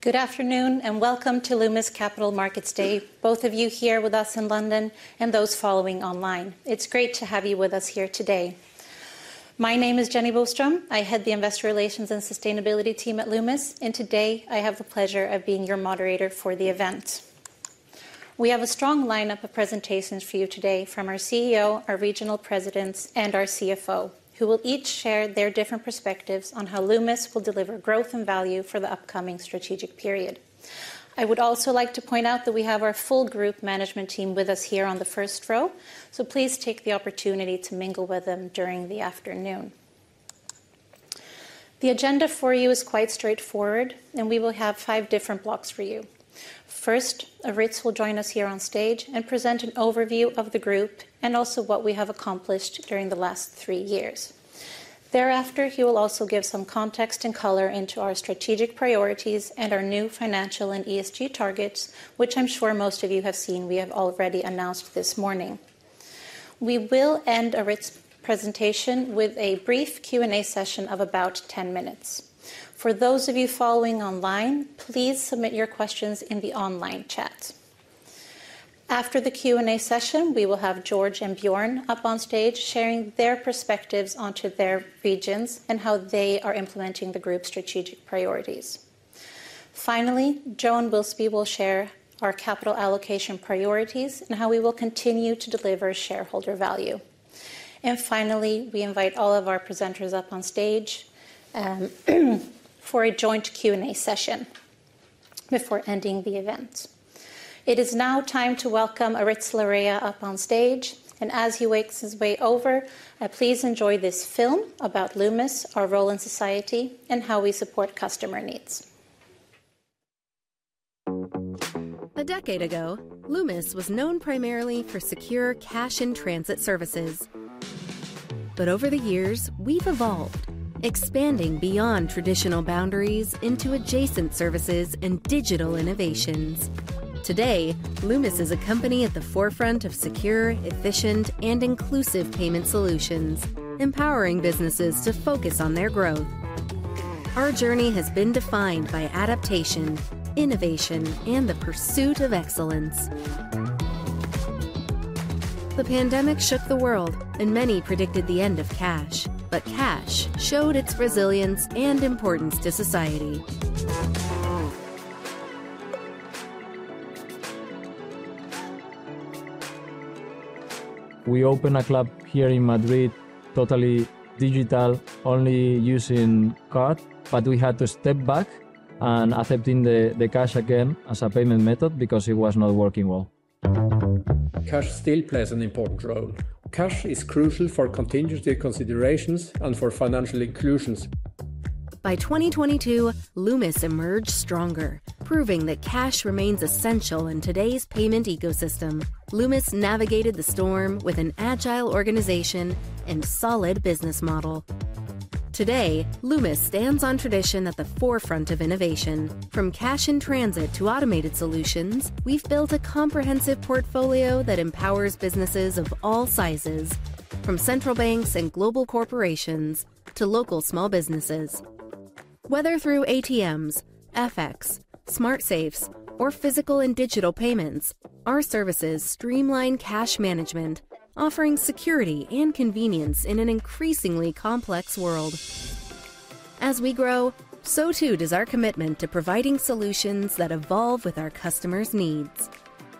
Good afternoon and welcome to Loomis Capital Markets Day, both of you here with us in London and those following online. It's great to have you with us here today. My name is Jenny Boström. I head the Investor Relations and Sustainability team at Loomis, and today I have the pleasure of being your moderator for the event. We have a strong lineup of presentations for you today from our CEO, our regional presidents, and our CFO, who will each share their different perspectives on how Loomis will deliver growth and value for the upcoming strategic period. I would also like to point out that we have our full group management team with us here on the first row, so please take the opportunity to mingle with them during the afternoon. The agenda for you is quite straightforward, and we will have five different blocks for you. First, Aritz will join us here on stage and present an overview of the group and also what we have accomplished during the last three years. Thereafter, he will also give some context and color into our strategic priorities and our new financial and ESG targets, which I'm sure most of you have seen we have already announced this morning. We will end Aritz's presentation with a brief Q&A session of about 10 minutes. For those of you following online, please submit your questions in the online chat. After the Q&A session, we will have George and Björn up on stage sharing their perspectives onto their regions and how they are implementing the group's strategic priorities. Finally, Johan Wilsby will share our capital allocation priorities and how we will continue to deliver shareholder value. Finally, we invite all of our presenters up on stage for a joint Q&A session before ending the event. It is now time to welcome Aritz Larrea up on stage, and as he wakes his way over, please enjoy this film about Loomis, our role in society, and how we support customer needs. A decade ago, Loomis was known primarily for secure cash-in-transit services. But over the years, we've evolved, expanding beyond traditional boundaries into adjacent services and digital innovations. Today, Loomis is a company at the forefront of secure, efficient, and inclusive payment solutions, empowering businesses to focus on their growth. Our journey has been defined by adaptation, innovation, and the pursuit of excellence. The pandemic shook the world, and many predicted the end of cash, but cash showed its resilience and importance to society. We opened a club here in Madrid, totally digital, only using card, but we had to step back and accept the cash again as a payment method because it was not working well. Cash still plays an important role. Cash is crucial for contingency considerations and for financial inclusions. By 2022, Loomis emerged stronger, proving that cash remains essential in today's payment ecosystem. Loomis navigated the storm with an agile organization and solid business model. Today, Loomis stands on tradition at the forefront of innovation. From cash-in-transit to automated solutions, we've built a comprehensive portfolio that empowers businesses of all sizes, from central banks and global corporations to local small businesses. Whether through ATMs, FX, SmartSafes, or physical and digital payments, our services streamline cash management, offering security and convenience in an increasingly complex world. As we grow, so too does our commitment to providing solutions that evolve with our customers' needs.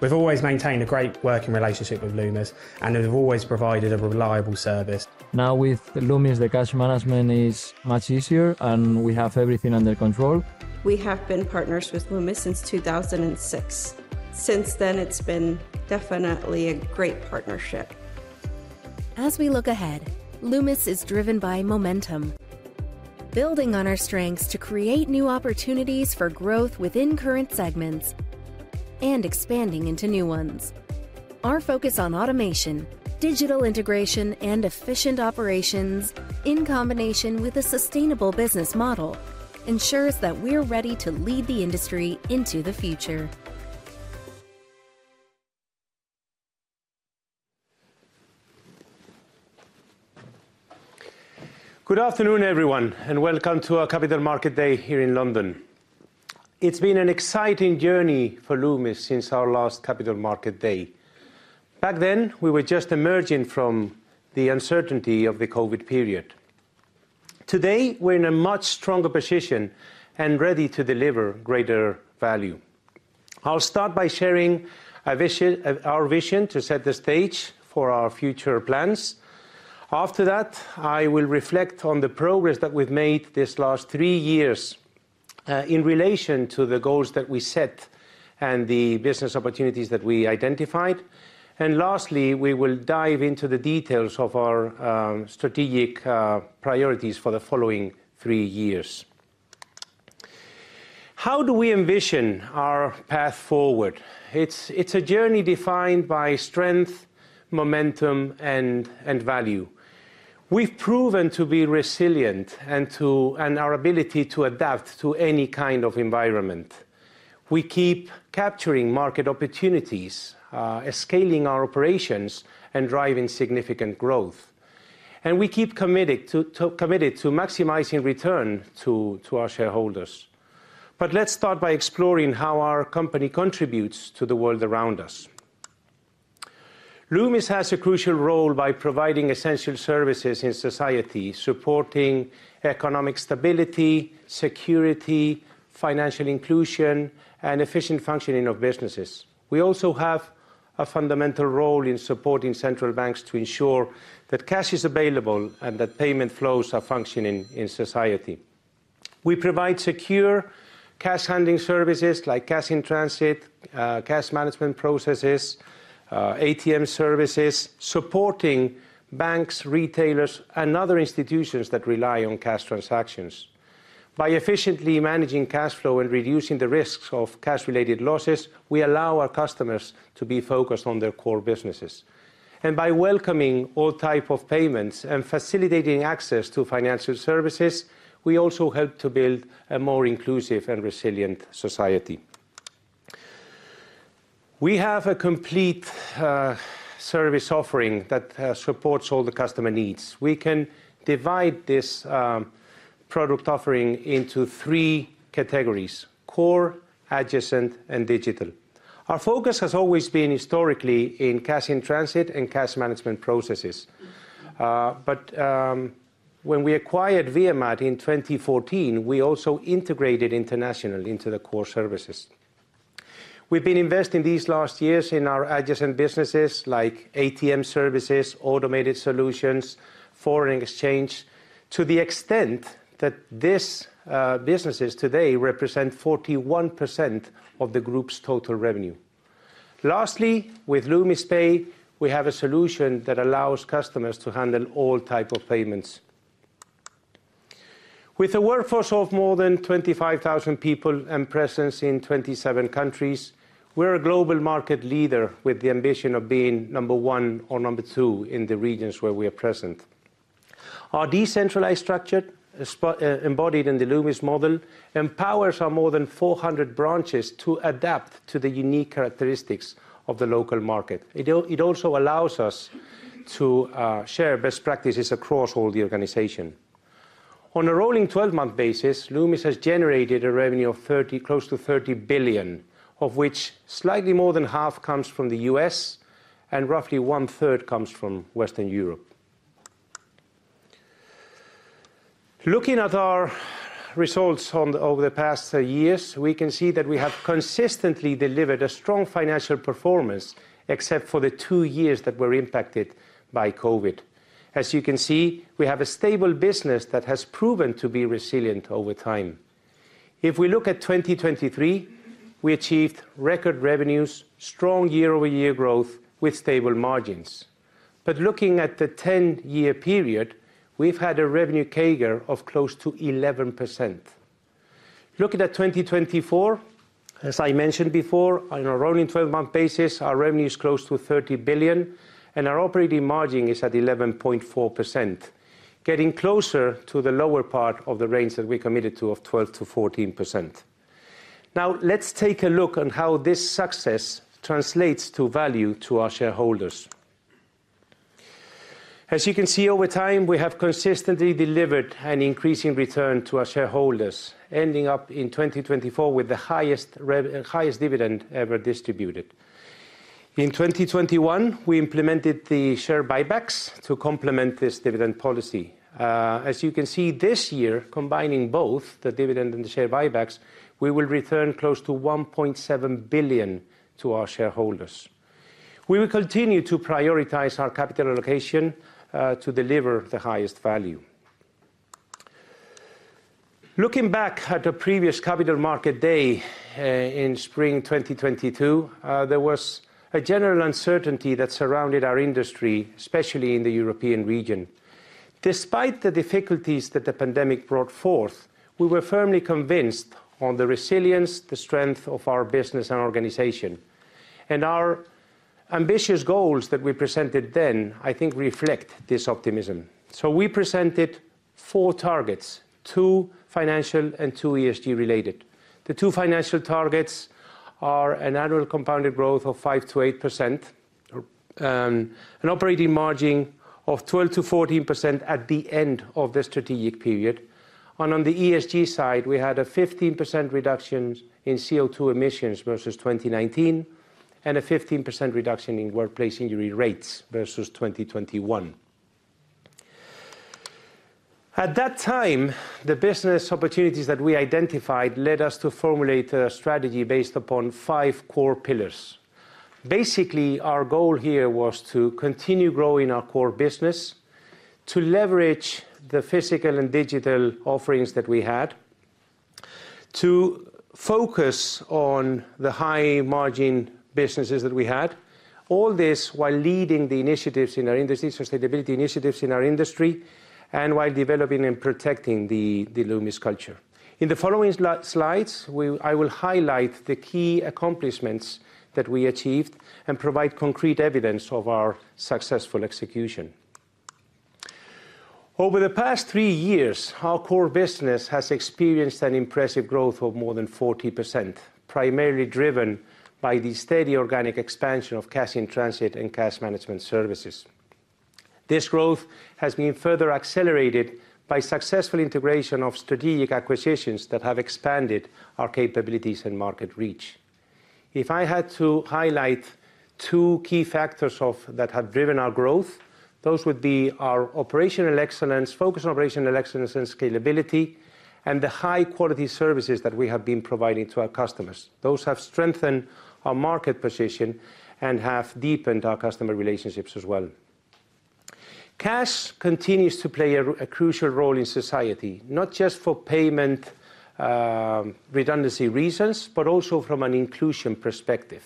We've always maintained a great working relationship with Loomis, and they've always provided a reliable service. Now with Loomis, the cash management is much easier, and we have everything under control. We have been partners with Loomis since 2006. Since then, it's been definitely a great partnership. As we look ahead, Loomis is driven by momentum, building on our strengths to create new opportunities for growth within current segments and expanding into new ones. Our focus on automation, digital integration, and efficient operations, in combination with a sustainable business model, ensures that we're ready to lead the industry into the future. Good afternoon, everyone, and welcome to our Capital Markets Day here in London. It's been an exciting journey for Loomis since our last Capital Markets Day. Back then, we were just emerging from the uncertainty of the COVID period. Today, we're in a much stronger position and ready to deliver greater value. I'll start by sharing our vision to set the stage for our future plans. After that, I will reflect on the progress that we've made these last three years in relation to the goals that we set and the business opportunities that we identified. And lastly, we will dive into the details of our strategic priorities for the following three years. How do we envision our path forward? It's a journey defined by strength, momentum, and value. We've proven to be resilient and our ability to adapt to any kind of environment. We keep capturing market opportunities, scaling our operations, and driving significant growth. And we keep committed to maximizing return to our shareholders. But let's start by exploring how our company contributes to the world around us. Loomis has a crucial role by providing essential services in society, supporting economic stability, security, financial inclusion, and efficient functioning of businesses. We also have a fundamental role in supporting central banks to ensure that cash is available and that payment flows are functioning in society. We provide secure cash handling services like cash-in-transit, cash management processes, ATM services, supporting banks, retailers, and other institutions that rely on cash transactions. By efficiently managing cash flow and reducing the risks of cash-related losses, we allow our customers to be focused on their core businesses. By welcoming all types of payments and facilitating access to financial services, we also help to build a more inclusive and resilient society. We have a complete service offering that supports all the customer needs. We can divide this product offering into three categories: core, adjacent, and digital. Our focus has always been historically in cash-in-transit and cash management processes. But when we acquired Viamat in 2014, we also integrated internationally into the core services. We've been investing these last years in our adjacent businesses like ATM services, automated solutions, foreign exchange, to the extent that these businesses today represent 41% of the group's total revenue. Lastly, with Loomis Pay, we have a solution that allows customers to handle all types of payments. With a workforce of more than 25,000 people and presence in 27 countries, we're a global market leader with the ambition of being number one or number two in the regions where we are present. Our decentralized structure, embodied in the Loomis model, empowers our more than 400 branches to adapt to the unique characteristics of the local market. It also allows us to share best practices across all the organization. On a rolling 12-month basis, Loomis has generated a revenue of close to 30 billion, of which slightly more than half comes from the U.S. and roughly one-third comes from Western Europe. Looking at our results over the past years, we can see that we have consistently delivered a strong financial performance, except for the two years that were impacted by COVID. As you can see, we have a stable business that has proven to be resilient over time. If we look at 2023, we achieved record revenues, strong year-over-year growth with stable margins. But looking at the 10-year period, we've had a revenue CAGR of close to 11%. Looking at 2024, as I mentioned before, on a rolling 12-month basis, our revenue is close to 30 billion, and our operating margin is at 11.4%, getting closer to the lower part of the range that we committed to of 12%-14%. Now, let's take a look on how this success translates to value to our shareholders. As you can see, over time, we have consistently delivered an increasing return to our shareholders, ending up in 2024 with the highest dividend ever distributed. In 2021, we implemented the share buybacks to complement this dividend policy. As you can see, this year, combining both the dividend and the share buybacks, we will return close to 1.7 billion to our shareholders. We will continue to prioritize our capital allocation to deliver the highest value. Looking back at a previous Capital Markets Day in spring 2022, there was a general uncertainty that surrounded our industry, especially in the European region. Despite the difficulties that the pandemic brought forth, we were firmly convinced of the resilience, the strength of our business and organization. And our ambitious goals that we presented then, I think, reflect this optimism. So we presented four targets, two financial and two ESG-related. The two financial targets are an annual compounded growth of 5%-8%, an operating margin of 12%-14% at the end of the strategic period. And on the ESG side, we had a 15% reduction in CO2 emissions versus 2019 and a 15% reduction in workplace injury rates versus 2021. At that time, the business opportunities that we identified led us to formulate a strategy based upon five core pillars. Basically, our goal here was to continue growing our core business, to leverage the physical and digital offerings that we had, to focus on the high-margin businesses that we had, all this while leading the initiatives in our industry, sustainability initiatives in our industry, and while developing and protecting the Loomis culture. In the following slides, I will highlight the key accomplishments that we achieved and provide concrete evidence of our successful execution. Over the past three years, our core business has experienced an impressive growth of more than 40%, primarily driven by the steady organic expansion of cash-in-transit and cash management services. This growth has been further accelerated by successful integration of strategic acquisitions that have expanded our capabilities and market reach. If I had to highlight two key factors that have driven our growth, those would be our operational excellence, focus on operational excellence and scalability, and the high-quality services that we have been providing to our customers. Those have strengthened our market position and have deepened our customer relationships as well. Cash continues to play a crucial role in society, not just for payment redundancy reasons, but also from an inclusion perspective.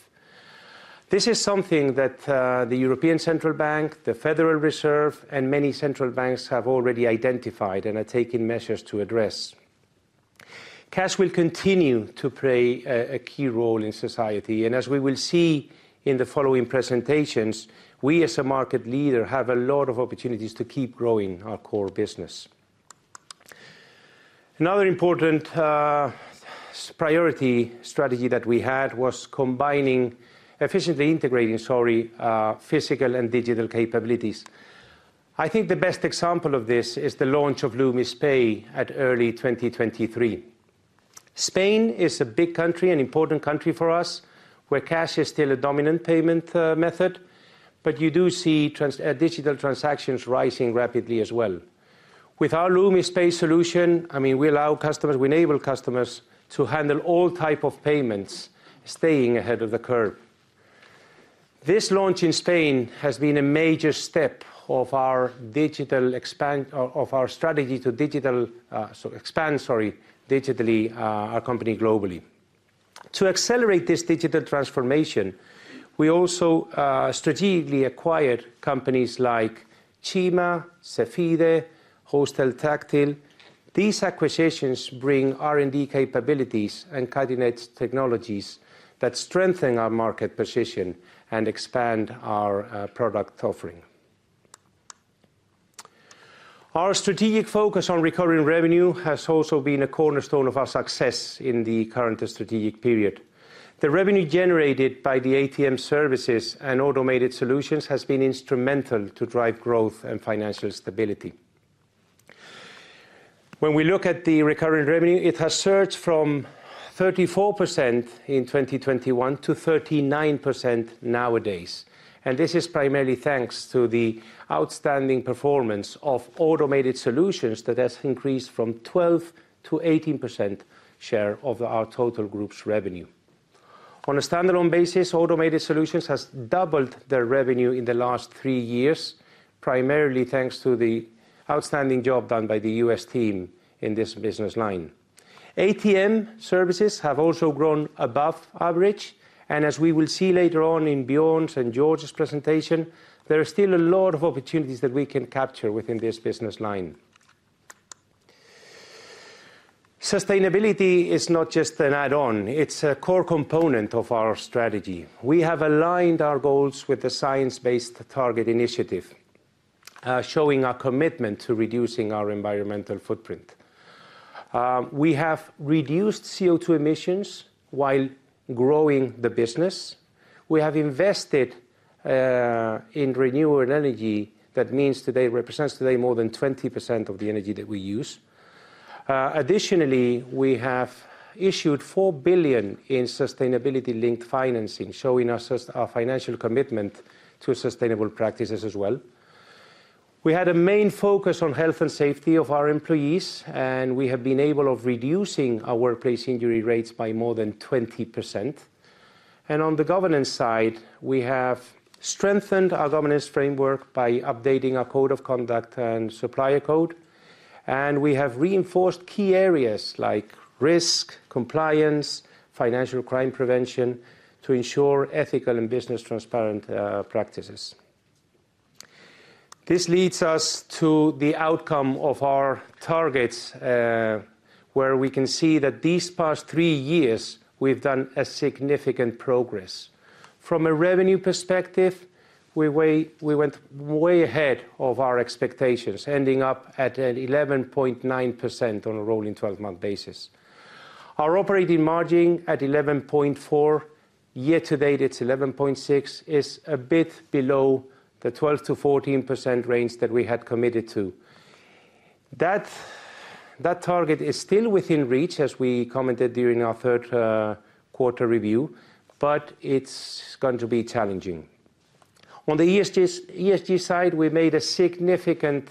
This is something that the European Central Bank, the Federal Reserve, and many central banks have already identified and are taking measures to address. Cash will continue to play a key role in society. As we will see in the following presentations, we as a market leader have a lot of opportunities to keep growing our core business. Another important priority strategy that we had was efficiently integrating, sorry, physical and digital capabilities. I think the best example of this is the launch of Loomis Pay in early 2023. Spain is a big country, an important country for us, where cash is still a dominant payment method, but you do see digital transactions rising rapidly as well. With our Loomis Pay solution, I mean, we allow customers, we enable customers to handle all types of payments, staying ahead of the curve. This launch in Spain has been a major step of our digital expansion, of our strategy to digital, so expand, sorry, digitally our company globally. To accelerate this digital transformation, we also strategically acquired companies like Cima, Cefide, Hosteltáctil. These acquisitions bring R&D capabilities and cutting-edge technologies that strengthen our market position and expand our product offering. Our strategic focus on recurring revenue has also been a cornerstone of our success in the current strategic period. The revenue generated by the ATM services and automated solutions has been instrumental to drive growth and financial stability. When we look at the recurring revenue, it has surged from 34% in 2021 to 39% nowadays. This is primarily thanks to the outstanding performance of automated solutions that has increased from 12% to 18% share of our total group's revenue. On a standalone basis, automated solutions have doubled their revenue in the last three years, primarily thanks to the outstanding job done by the U.S. team in this business line. ATM services have also grown above average. As we will see later on in Björn's and George's presentation, there are still a lot of opportunities that we can capture within this business line. Sustainability is not just an add-on. It's a core component of our strategy. We have aligned our goals with the Science Based Targets initiative, showing our commitment to reducing our environmental footprint. We have reduced CO2 emissions while growing the business. We have invested in renewable energy. That means today represents more than 20% of the energy that we use. Additionally, we have issued 4 billion in sustainability-linked financing, showing our financial commitment to sustainable practices as well. We had a main focus on health and safety of our employees, and we have been able to reduce our workplace injury rates by more than 20%. On the governance side, we have strengthened our governance framework by updating our code of conduct and supplier code. We have reinforced key areas like risk, compliance, financial crime prevention to ensure ethical and transparent business practices. This leads us to the outcome of our targets, where we can see that these past three years, we've done significant progress. From a revenue perspective, we went way ahead of our expectations, ending up at an 11.9% on a rolling 12-month basis. Our operating margin at 11.4, year-to-date it's 11.6, is a bit below the 12%-14% range that we had committed to. That target is still within reach, as we commented during our third quarter review, but it's going to be challenging. On the ESG side, we made a significant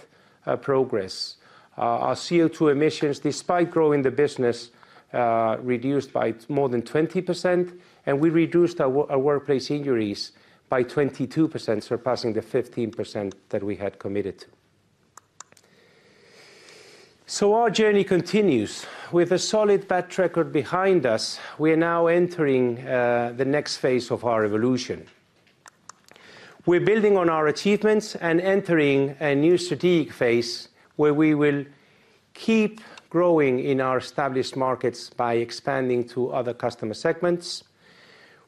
progress. Our CO2 emissions, despite growing the business, reduced by more than 20%, and we reduced our workplace injuries by 22%, surpassing the 15% that we had committed to. So our journey continues. With a solid track record behind us, we are now entering the next phase of our evolution. We're building on our achievements and entering a new strategic phase where we will keep growing in our established markets by expanding to other customer segments.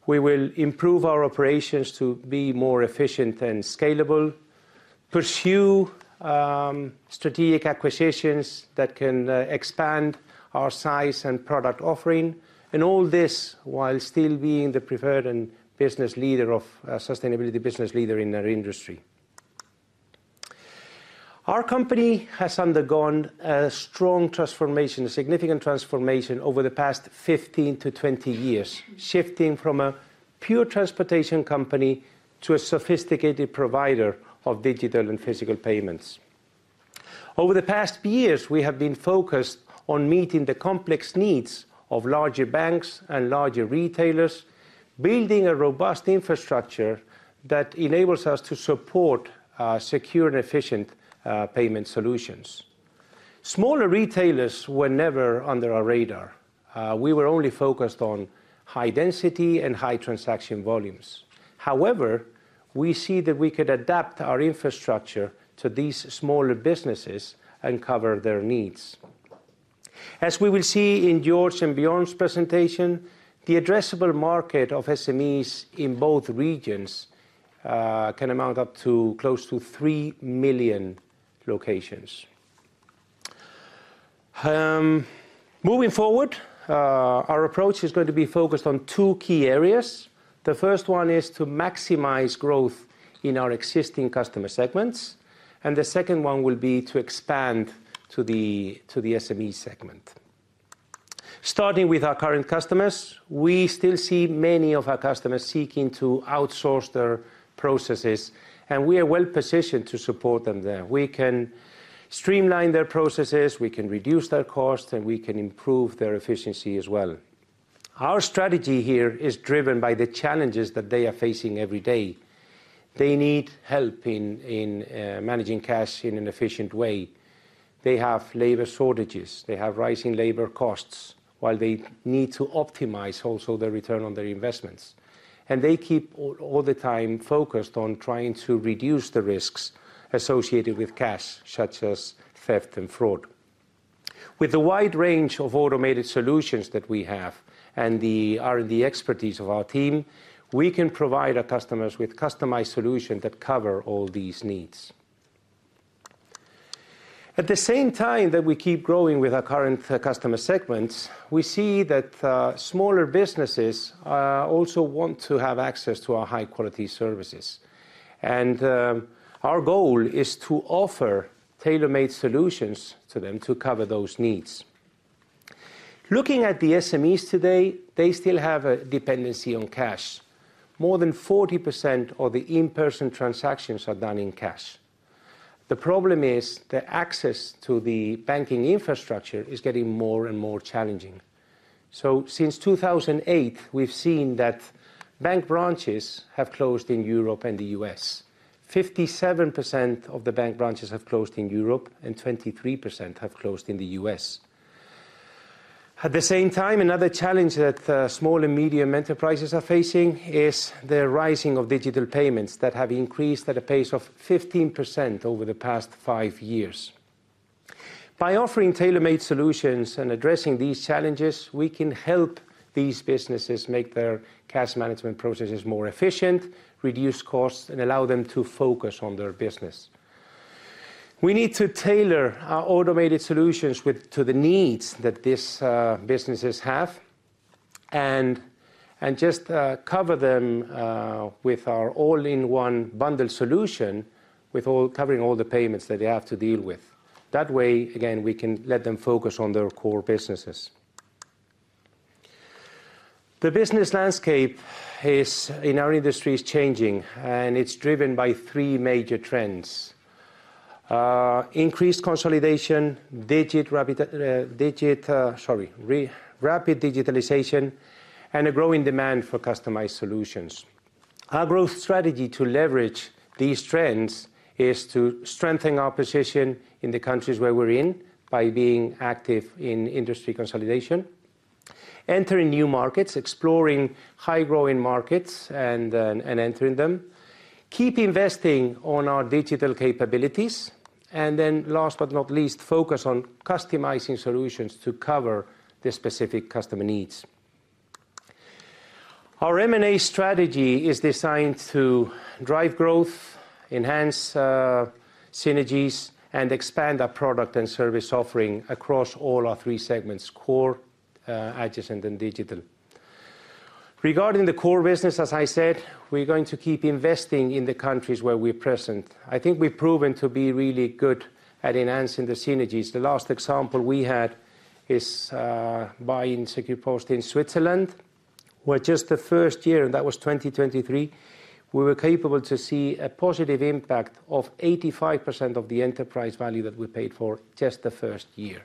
We will improve our operations to be more efficient and scalable, pursue strategic acquisitions that can expand our size and product offering, and all this while still being the preferred business leader in sustainability in our industry. Our company has undergone a strong transformation, a significant transformation over the past 15-20 years, shifting from a pure transportation company to a sophisticated provider of digital and physical payments. Over the past years, we have been focused on meeting the complex needs of larger banks and larger retailers, building a robust infrastructure that enables us to support secure and efficient payment solutions. Smaller retailers were never under our radar. We were only focused on high density and high transaction volumes. However, we see that we could adapt our infrastructure to these smaller businesses and cover their needs. As we will see in George and Björn's presentation, the addressable market of SMEs in both regions can amount up to close to three million locations. Moving forward, our approach is going to be focused on two key areas. The first one is to maximize growth in our existing customer segments, and the second one will be to expand to the SME segment. Starting with our current customers, we still see many of our customers seeking to outsource their processes, and we are well-positioned to support them there. We can streamline their processes, we can reduce their costs, and we can improve their efficiency as well. Our strategy here is driven by the challenges that they are facing every day. They need help in managing cash in an efficient way. They have labor shortages, they have rising labor costs, while they need to optimize also the return on their investments, and they keep all the time focused on trying to reduce the risks associated with cash, such as theft and fraud. With the wide range of automated solutions that we have and the R&D expertise of our team, we can provide our customers with customized solutions that cover all these needs. At the same time that we keep growing with our current customer segments, we see that smaller businesses also want to have access to our high-quality services, and our goal is to offer tailor-made solutions to them to cover those needs. Looking at the SMEs today, they still have a dependency on cash. More than 40% of the in-person transactions are done in cash. The problem is the access to the banking infrastructure is getting more and more challenging. Since 2008, we've seen that bank branches have closed in Europe and the U.S. 57% of the bank branches have closed in Europe and 23% have closed in the U.S. At the same time, another challenge that small and medium enterprises are facing is the rising of digital payments that have increased at a pace of 15% over the past five years. By offering tailor-made solutions and addressing these challenges, we can help these businesses make their cash management processes more efficient, reduce costs, and allow them to focus on their business. We need to tailor our automated solutions to the needs that these businesses have and just cover them with our all-in-one bundled solution, covering all the payments that they have to deal with. That way, again, we can let them focus on their core businesses. The business landscape in our industry is changing, and it's driven by three major trends: increased consolidation, rapid digitalization, and a growing demand for customized solutions. Our growth strategy to leverage these trends is to strengthen our position in the countries where we're in by being active in industry consolidation, entering new markets, exploring high-growing markets and entering them, keep investing in our digital capabilities, and then, last but not least, focus on customizing solutions to cover the specific customer needs. Our M&A strategy is designed to drive growth, enhance synergies, and expand our product and service offering across all our three segments: core, adjacent, and digital. Regarding the core business, as I said, we're going to keep investing in the countries where we're present. I think we've proven to be really good at enhancing the synergies. The last example we had is buying SecurePost in Switzerland, where just the first year, and that was 2023, we were capable to see a positive impact of 85% of the enterprise value that we paid for just the first year.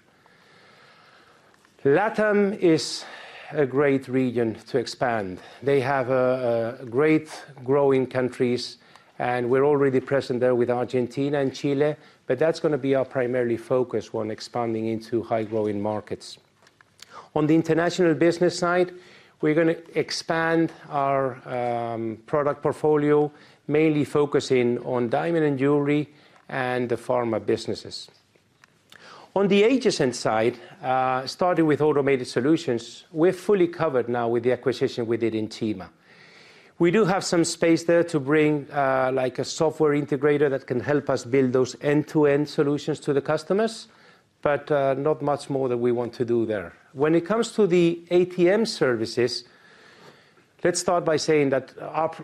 LATAM is a great region to expand. They have great growing countries, and we're already present there with Argentina and Chile, but that's going to be our primary focus when expanding into high-growing markets. On the international business side, we're going to expand our product portfolio, mainly focusing on diamond and jewelry and the pharma businesses. On the adjacent side, starting with automated solutions, we're fully covered now with the acquisition we did in Cima. We do have some space there to bring a software integrator that can help us build those end-to-end solutions to the customers, but not much more that we want to do there. When it comes to the ATM services, let's start by saying that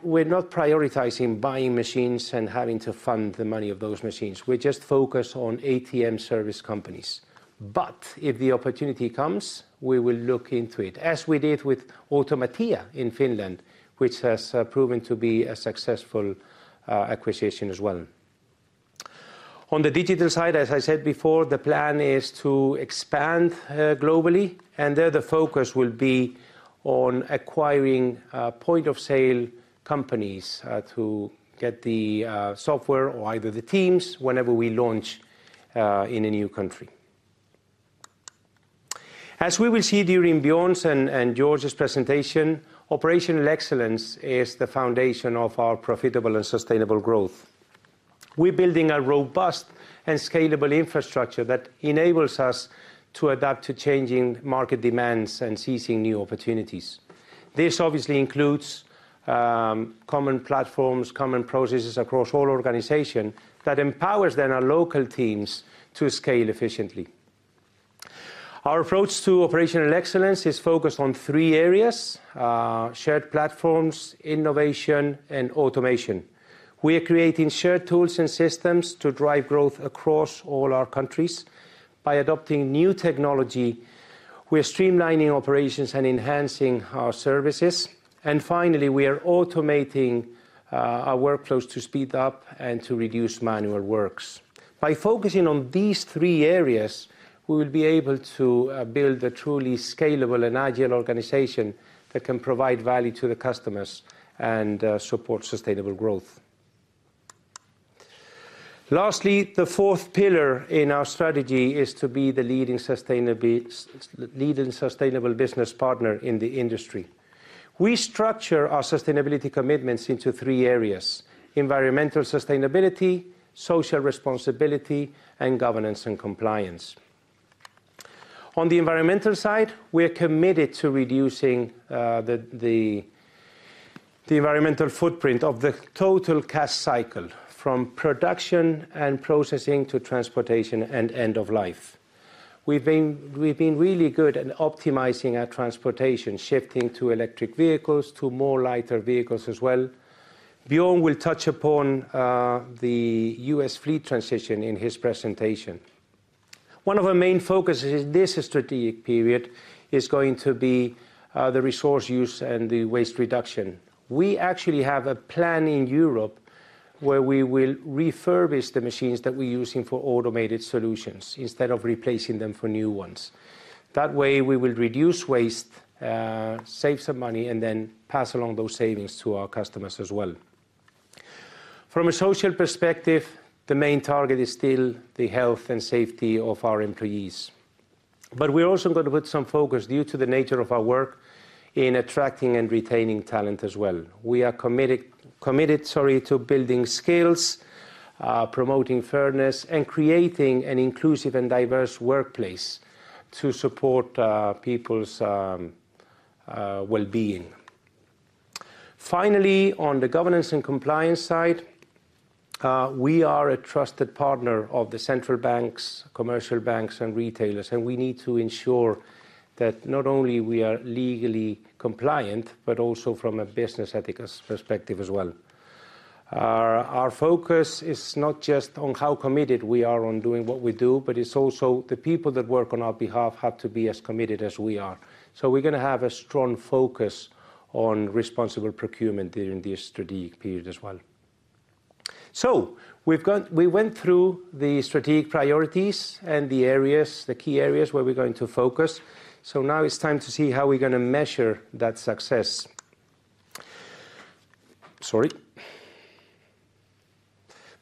we're not prioritizing buying machines and having to fund the money of those machines. We're just focused on ATM service companies, but if the opportunity comes, we will look into it, as we did with Automatia in Finland, which has proven to be a successful acquisition as well. On the digital side, as I said before, the plan is to expand globally, and there the focus will be on acquiring point-of-sale companies to get the software or either the teams whenever we launch in a new country. As we will see during Björn's and George's presentation, operational excellence is the foundation of our profitable and sustainable growth. We're building a robust and scalable infrastructure that enables us to adapt to changing market demands and seizing new opportunities. This obviously includes common platforms, common processes across all organizations that empower them our local teams to scale efficiently. Our approach to operational excellence is focused on three areas: shared platforms, innovation, and automation. We are creating shared tools and systems to drive growth across all our countries. By adopting new technology, we're streamlining operations and enhancing our services, and finally, we are automating our workflows to speed up and to reduce manual work. By focusing on these three areas, we will be able to build a truly scalable and agile organization that can provide value to the customers and support sustainable growth. Lastly, the fourth pillar in our strategy is to be the leading sustainable business partner in the industry. We structure our sustainability commitments into three areas: environmental sustainability, social responsibility, and governance and compliance. On the environmental side, we're committed to reducing the environmental footprint of the total cash cycle from production and processing to transportation and end of life. We've been really good at optimizing our transportation, shifting to electric vehicles, to more lighter vehicles as well. Björn will touch upon the U.S. fleet transition in his presentation. One of our main focuses in this strategic period is going to be the resource use and the waste reduction. We actually have a plan in Europe where we will refurbish the machines that we're using for automated solutions instead of replacing them for new ones. That way, we will reduce waste, save some money, and then pass along those savings to our customers as well. From a social perspective, the main target is still the health and safety of our employees. But we're also going to put some focus due to the nature of our work in attracting and retaining talent as well. We are committed to building skills, promoting fairness, and creating an inclusive and diverse workplace to support people's well-being. Finally, on the governance and compliance side, we are a trusted partner of the central banks, commercial banks, and retailers, and we need to ensure that not only we are legally compliant, but also from a business ethics perspective as well. Our focus is not just on how committed we are on doing what we do, but it's also the people that work on our behalf have to be as committed as we are. So we're going to have a strong focus on responsible procurement during this strategic period as well. So we went through the strategic priorities and the key areas where we're going to focus. So now it's time to see how we're going to measure that success. Sorry.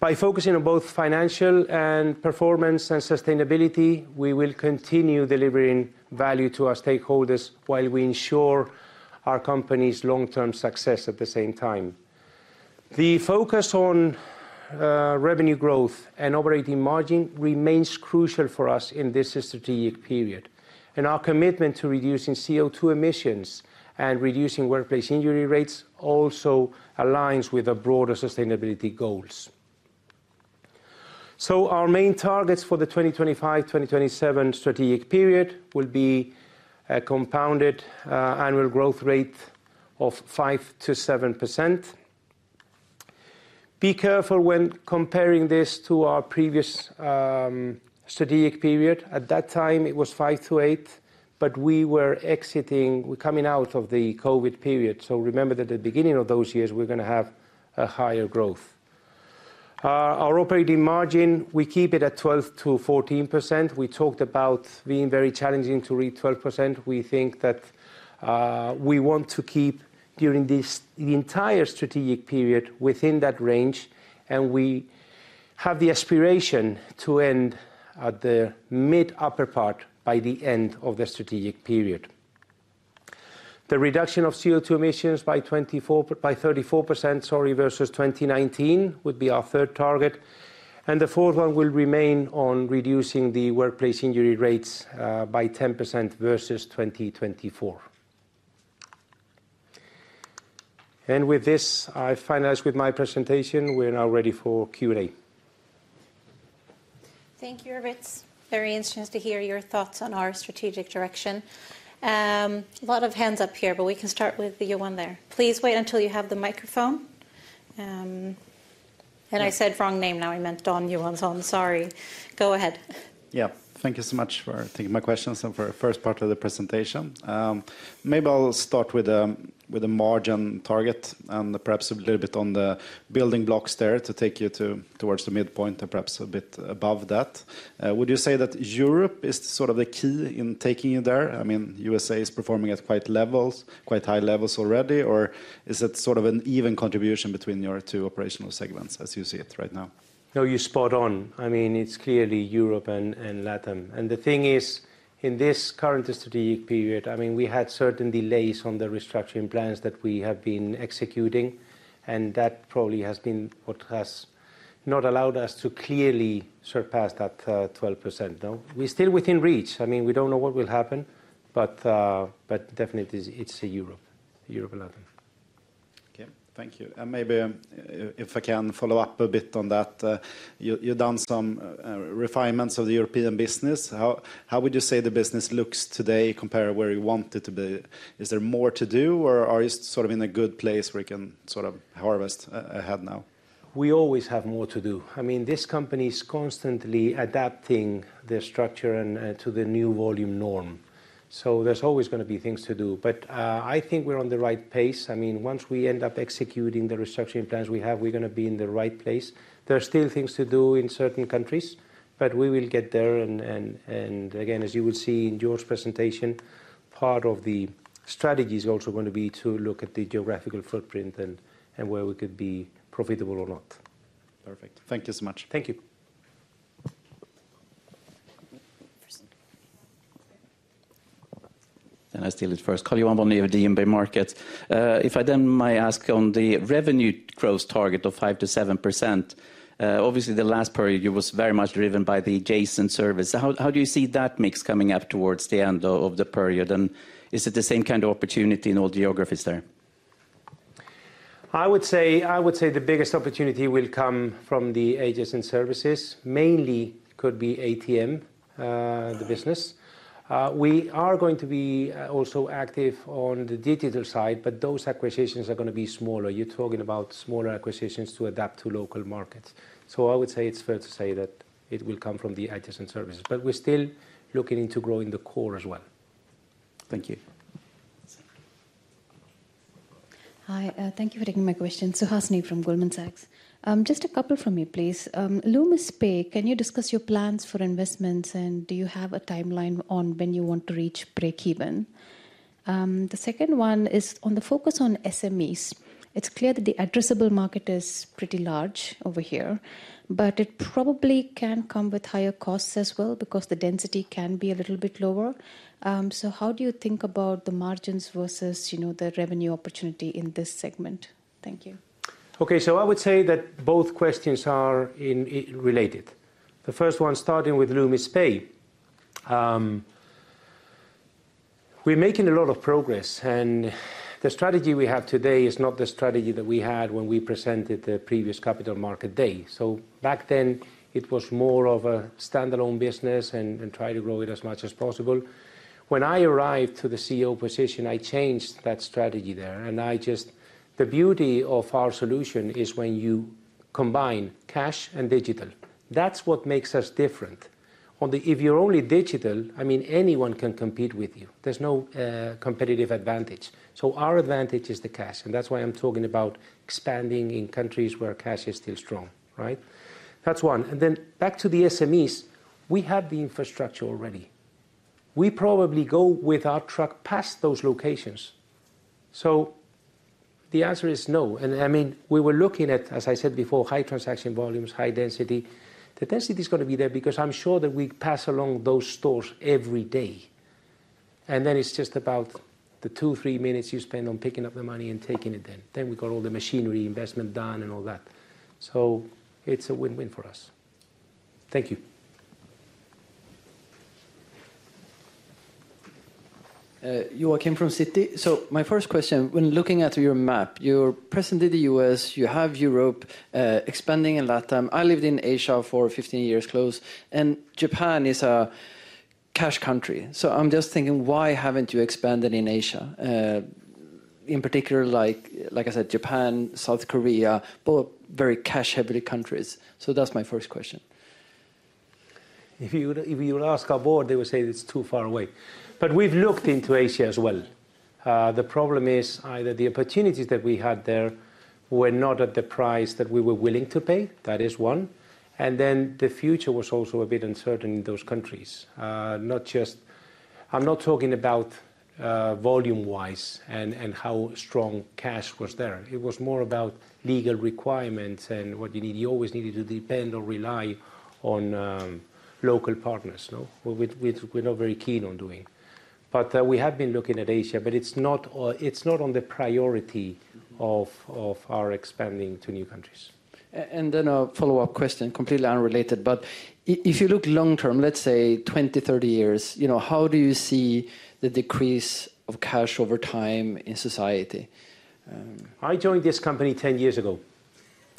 By focusing on both financial and performance and sustainability, we will continue delivering value to our stakeholders while we ensure our company's long-term success at the same time. The focus on revenue growth and operating margin remains crucial for us in this strategic period. And our commitment to reducing CO2 emissions and reducing workplace injury rates also aligns with the broader sustainability goals. So our main targets for the 2025-2027 strategic period will be a compound annual growth rate of 5%-7%. Be careful when comparing this to our previous strategic period. At that time, it was 5%-8%, but we were exiting, we're coming out of the COVID period. So remember that at the beginning of those years, we're going to have a higher growth. Our operating margin, we keep it at 12%-14%. We talked about being very challenging to reach 12%. We think that we want to keep during this entire strategic period within that range, and we have the aspiration to end at the mid-upper part by the end of the strategic period. The reduction of CO2 emissions by 34%, sorry, versus 2019 would be our third target. And the fourth one will remain on reducing the workplace injury rates by 10% versus 2024. And with this, I finalize with my presentation. We're now ready for Q&A. Thank you, Aritz. Very interesting to hear your thoughts on our strategic direction. A lot of hands up here, but we can start with the one there. Please wait until you have the microphone. And I said wrong name now. I meant Dan Yuan. Sorry. Go ahead. Yeah. Thank you so much for taking my questions and for the first part of the presentation. Maybe I'll start with a margin target and perhaps a little bit on the building blocks there to take you towards the midpoint and perhaps a bit above that. Would you say that Europe is sort of the key in taking you there? I mean, USA is performing at quite high levels already, or is it sort of an even contribution between your two operational segments as you see it right now? No, you're spot on. I mean, it's clearly Europe and LATAM. And the thing is, in this current strategic period, I mean, we had certain delays on the restructuring plans that we have been executing, and that probably has been what has not allowed us to clearly surpass that 12%. We're still within reach. I mean, we don't know what will happen, but definitely it's Europe, Europe and LATAM. Okay. Thank you. And maybe if I can follow up a bit on that, you've done some refinements of the European business. How would you say the business looks today compared to where you want it to be? Is there more to do, or are you sort of in a good place where you can sort of harvest ahead now? We always have more to do. I mean, this company is constantly adapting their structure to the new volume norm. So there's always going to be things to do. But I think we're on the right pace. I mean, once we end up executing the restructuring plans we have, we're going to be in the right place. There are still things to do in certain countries, but we will get there. And again, as you will see in George's presentation, part of the strategy is also going to be to look at the geographical footprint and where we could be profitable or not. Perfect. Thank you so much. Thank you. I'll steal it first. Karl-Johan Bonnevier, DNB Markets. If I then may ask on the revenue growth target of 5%-7%, obviously the last period, you were very much driven by the adjacent service. How do you see that mix coming up towards the end of the period? And is it the same kind of opportunity in all geographies there? I would say the biggest opportunity will come from the adjacent services. Mainly could be ATM, the business. We are going to be also active on the digital side, but those acquisitions are going to be smaller. You're talking about smaller acquisitions to adapt to local markets. So I would say it's fair to say that it will come from the adjacent services. But we're still looking into growing the core as well. Thank you. Hi. Thank you for taking my question. Suhasini from Goldman Sachs. Just a couple from me, please. Loomis Pay, can you discuss your plans for investments, and do you have a timeline on when you want to reach break-even? The second one is on the focus on SMEs. It's clear that the addressable market is pretty large over here, but it probably can come with higher costs as well because the density can be a little bit lower. So how do you think about the margins versus the revenue opportunity in this segment? Thank you. Okay. So I would say that both questions are related. The first one, starting with Loomis Pay, we're making a lot of progress, and the strategy we have today is not the strategy that we had when we presented the previous Capital Markets Day. So back then, it was more of a standalone business and try to grow it as much as possible. When I arrived to the CEO position, I changed that strategy there. And the beauty of our solution is when you combine cash and digital. That's what makes us different. If you're only digital, I mean, anyone can compete with you. There's no competitive advantage. So our advantage is the cash. And that's why I'm talking about expanding in countries where cash is still strong. Right? That's one. And then back to the SMEs, we have the infrastructure already. We probably go with our truck past those locations. So the answer is no. I mean, we were looking at, as I said before, high transaction volumes, high density. The density is going to be there because I'm sure that we pass along those stores every day. And then it's just about the two, three minutes you spend on picking up the money and taking it then. Then we've got all the machinery investment done and all that. So it's a win-win for us. Thank you. [Joa] Kim from Citi. So my first question, when looking at your map, you're present in the U.S., you have Europe expanding in LATAM. I lived in Asia for 15 years close, and Japan is a cash country. So I'm just thinking, why haven't you expanded in Asia? In particular, like I said, Japan, South Korea, both very cash-heavy countries. So that's my first question. If you would ask our board, they would say it's too far away, but we've looked into Asia as well. The problem is either the opportunities that we had there were not at the price that we were willing to pay. That is one, and then the future was also a bit uncertain in those countries. I'm not talking about volume-wise and how strong cash was there. It was more about legal requirements and what you need. You always needed to depend or rely on local partners. We're not very keen on doing, but we have been looking at Asia, but it's not on the priority of our expanding to new countries, and then a follow-up question, completely unrelated, but if you look long-term, let's say 20, 30 years, how do you see the decrease of cash over time in society? I joined this company 10 years ago.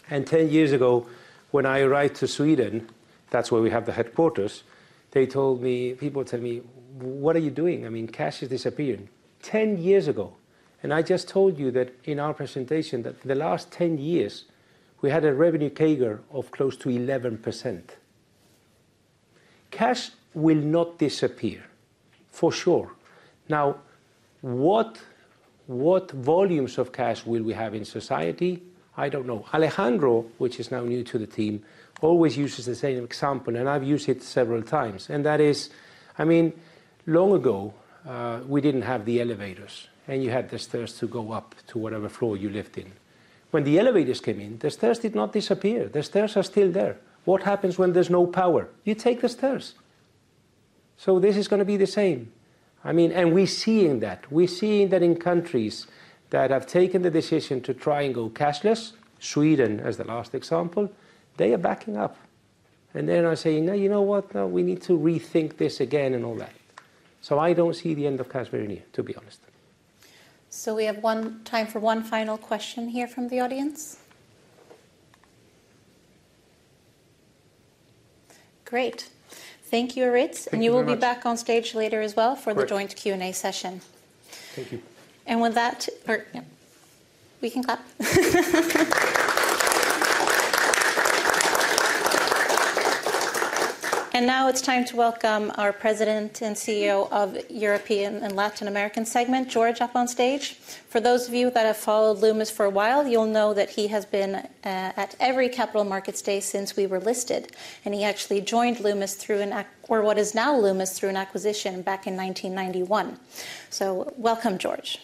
And 10 years ago, when I arrived to Sweden, that's where we have the headquarters, people tell me, "What are you doing? I mean, cash is disappearing." 10 years ago. And I just told you that in our presentation that the last 10 years, we had a revenue CAGR of close to 11%. Cash will not disappear, for sure. Now, what volumes of cash will we have in society? I don't know. Alejandro, which is now new to the team, always uses the same example, and I've used it several times. And that is, I mean, long ago, we didn't have the elevators, and you had the stairs to go up to whatever floor you lived in. When the elevators came in, the stairs did not disappear. The stairs are still there. What happens when there's no power? You take the stairs. So this is going to be the same. I mean, and we're seeing that. We're seeing that in countries that have taken the decision to try and go cashless, Sweden as the last example, they are backing up. And then I'm saying, "No, you know what? We need to rethink this again and all that." So I don't see the end of cash very near, to be honest. So we have time for one final question here from the audience. Great. Thank you, Aritz. And you will be back on stage later as well for the joint Q&A session. Thank you. And with that, we can clap. And now it's time to welcome our President and CEO of the European and Latin American segment, George, up on stage. For those of you that have followed Loomis for a while, you'll know that he has been at every capital markets day since we were listed. He actually joined Loomis through an, or what is now Loomis, through an acquisition back in 1991. So welcome, George.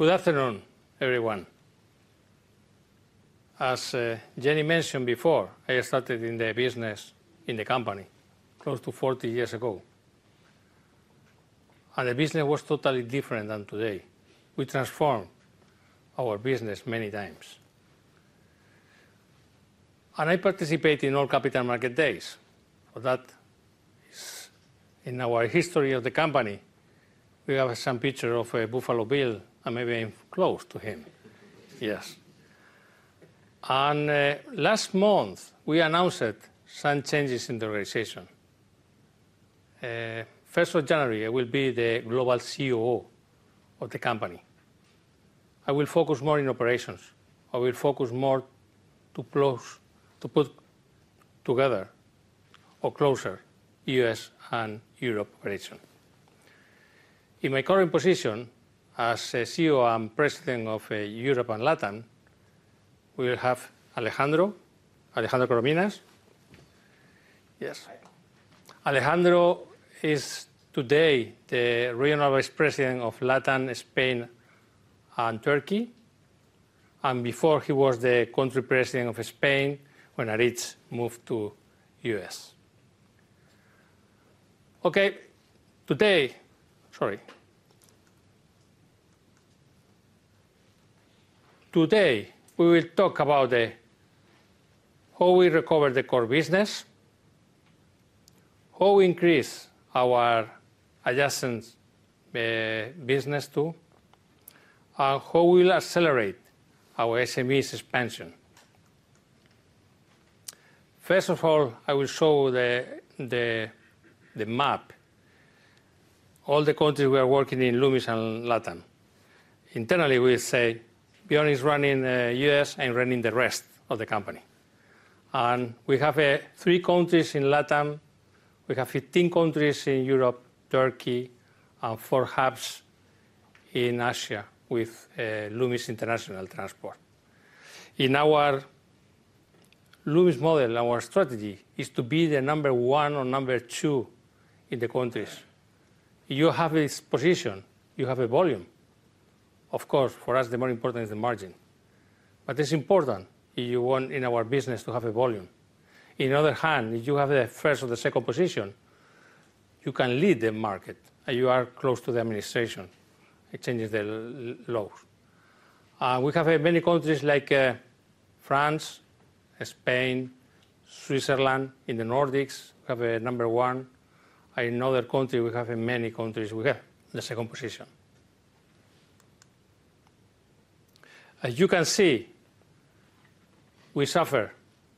Good afternoon, everyone. As Jenny mentioned before, I started in the business, in the company, close to 40 years ago. The business was totally different than today. We transformed our business many times. I participate in all Capital Markets Days. In our history of the company, we have some pictures of Buffalo Bill, and maybe I'm close to him. Yes. Last month, we announced some changes in the organization. 1st of January, I will be the global COO of the company. I will focus more on operations. I will focus more to put together or closer U.S. and Europe operations. In my current position as COO and president of Europe and LATAM, we will have Alejandro Corominas. Yes. Alejandro is today the regional vice president of LATAM, Spain, and Turkey. Before, he was the country president of Spain when Aritz moved to the US. Today, we will talk about how we recover the core business, how we increase our adjacent business too, and how we will accelerate our SMEs expansion. First of all, I will show the map, all the countries we are working in Loomis and LATAM. Internally, we will say Björn is running US and running the rest of the company. We have three countries in LATAM. We have 15 countries in Europe, Turkey, and four hubs in Asia with Loomis International Transport. In our Loomis model, our strategy is to be the number one or number two in the countries. You have this position. You have a volume. Of course, for us, the more important is the margin. But it's important if you want in our business to have a volume. On the other hand, if you have the first or the second position, you can lead the market, and you are close to the administration. It changes the laws. We have many countries like France, Spain, Switzerland. In the Nordics, we have a number one. In other countries, we have many countries. We have the second position. As you can see, we suffered.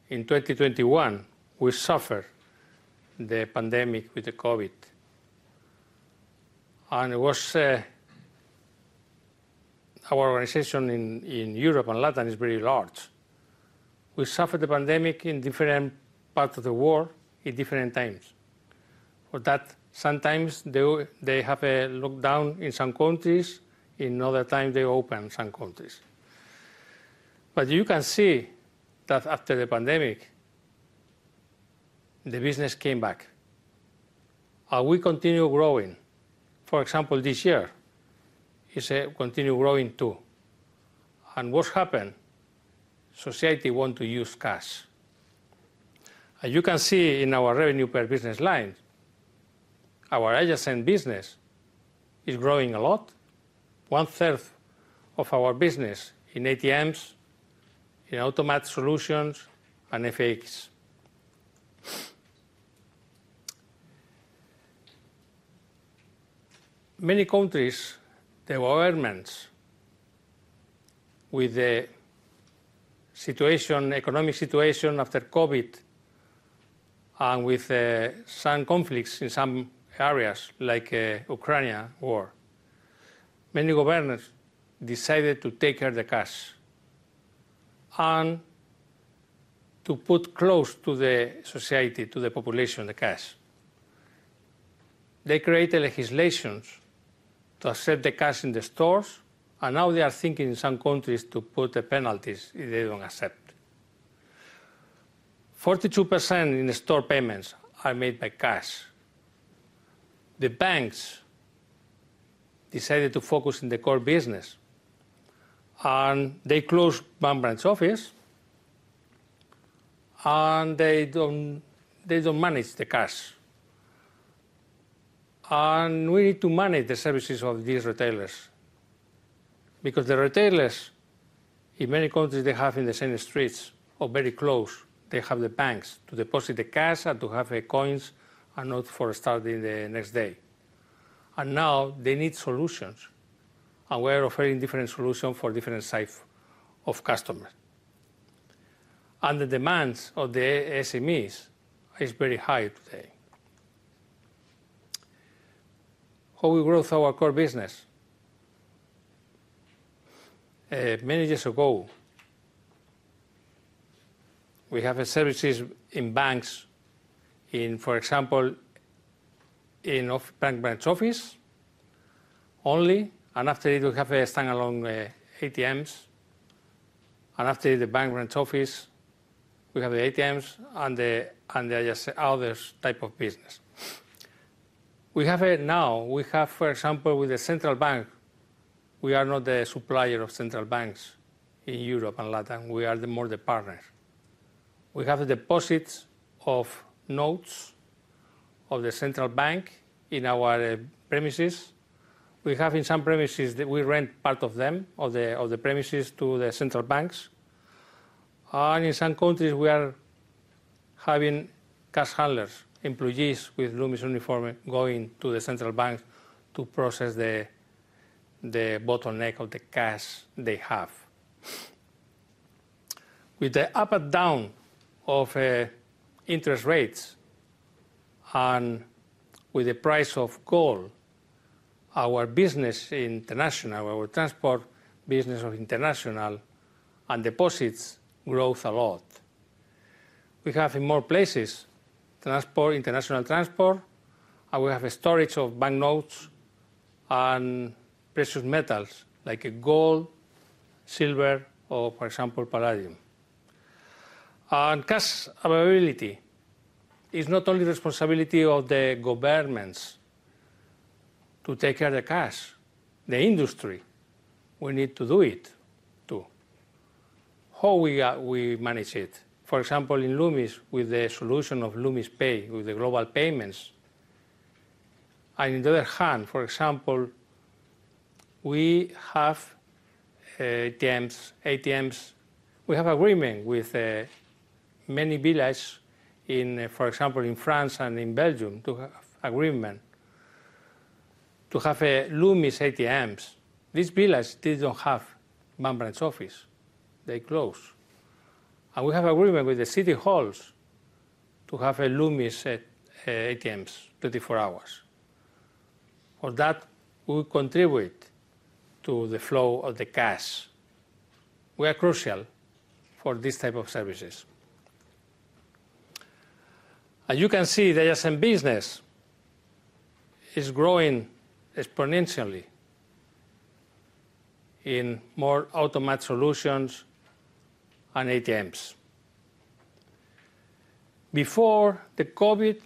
In 2021, we suffered the pandemic with the COVID. And our organization in Europe and LATAM is very large. We suffered the pandemic in different parts of the world at different times. Sometimes they have a lockdown in some countries. In other times, they open some countries. But you can see that after the pandemic, the business came back. And we continue growing. For example, this year, it's continued growing too. And what happened? Society wanted to use cash. And you can see in our revenue per business line, our adjacent business is growing a lot. One-third of our business is in ATMs, in automatic solutions, and FAEs. Many countries, the governments, with the economic situation after COVID and with some conflicts in some areas like the Ukraine war, many governments decided to take care of the cash and to put close to the society, to the population, the cash. They created legislations to accept the cash in the stores. And now they are thinking in some countries to put the penalties if they don't accept. 42% in store payments are made by cash. The banks decided to focus on the core business. And they closed bank branch offices. And they don't manage the cash. We need to manage the services of these retailers because the retailers, in many countries, they have in the same streets or very close. They have the banks to deposit the cash and to have coins and notes for starting the next day. Now they need solutions. We are offering different solutions for different types of customers. The demands of the SMEs are very high today. How we grow our core business. Many years ago, we have services in banks, for example, in bank branch offices only. After it, we have standalone ATMs. After the bank branch office, we have the ATMs and the other type of business. Now, for example, with the central bank, we are now the supplier of central banks in Europe and LATAM. We are more the partners. We have the deposits of notes of the central bank in our premises. We have in some premises that we rent part of them of the premises to the central banks. And in some countries, we are having cash handlers, employees with Loomis uniform going to the central bank to process the bottleneck of the cash they have. With the up and down of interest rates and with the price of gold, our business international, our transport business of international and deposits growth a lot. We have in more places international transport. And we have storage of bank notes and precious metals like gold, silver, or, for example, palladium. And cash availability is not only the responsibility of the governments to take care of the cash, the industry. We need to do it too. How we manage it? For example, in Loomis with the solution of Loomis Pay, with the global payments. And on the other hand, for example, we have ATMs. We have agreements with many villages in, for example, in France and in Belgium to have agreements to have Loomis ATMs. These villages didn't have bank branch offices. They closed. And we have agreements with the city halls to have Loomis ATMs 24 hours. For that, we contribute to the flow of the cash. We are crucial for this type of services. And you can see the adjacent business is growing exponentially in more automatic solutions and ATMs. Before the COVID,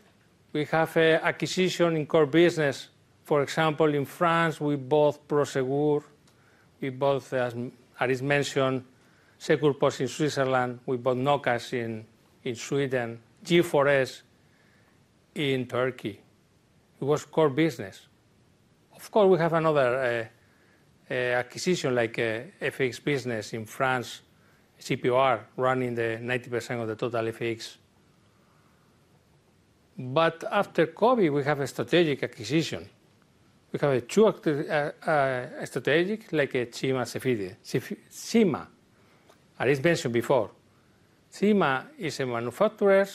we have acquisitions in core business. For example, in France, we bought Prosegur. We bought, as Aritz mentioned, SecurePost in Switzerland. We bought Nokas in Sweden, G4S in Turkey. It was core business. Of course, we have another acquisition like the FX business in France, CPOR, running 90% of the total FX. But after COVID, we have a strategic acquisition. We have two strategics like Cima and Cefide. Cima, Aritz mentioned before. Cima is a manufacturer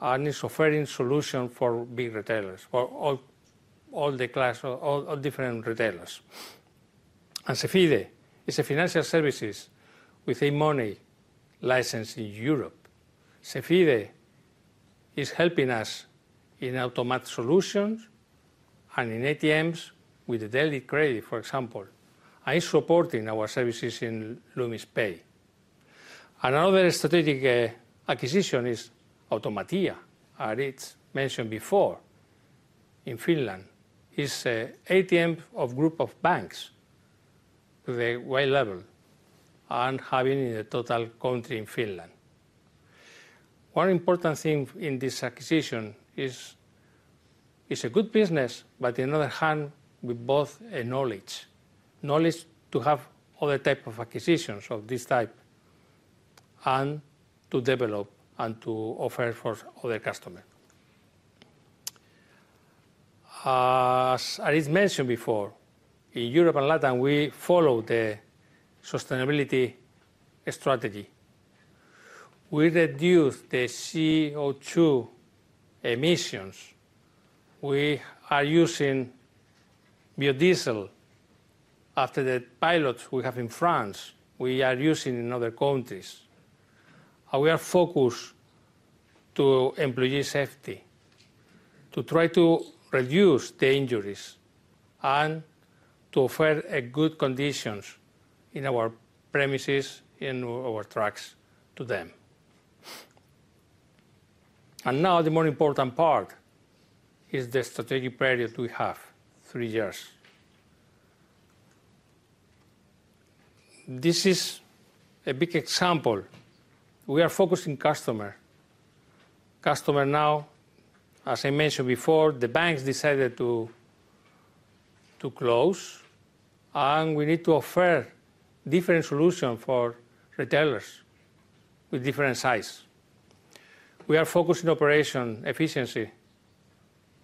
and is offering solutions for big retailers, for all the different retailers. And Cefide is a financial services with a money license in Europe. Cefide is helping us in automatic solutions and in ATMs with the debit/credit, for example. And it's supporting our services in Loomis Pay. And another strategic acquisition is Automatia, Aritz mentioned before, in Finland. It's an ATM group of banks with a high level and having a total country in Finland. One important thing in this acquisition is it's a good business, but on the other hand, we bought knowledge. Knowledge to have other types of acquisitions of this type and to develop and to offer for other customers. As Aritz mentioned before, in Europe and LATAM, we follow the sustainability strategy. We reduce the CO2 emissions. We are using biodiesel after the pilots we have in France. We are using in other countries. And we are focused on employee safety to try to reduce dangers and to offer good conditions in our premises, in our trucks to them. And now the more important part is the strategic period we have, three years. This is a big example. We are focused on customer. Customer now, as I mentioned before, the banks decided to close. And we need to offer different solutions for retailers with different sizes. We are focused on operation efficiency.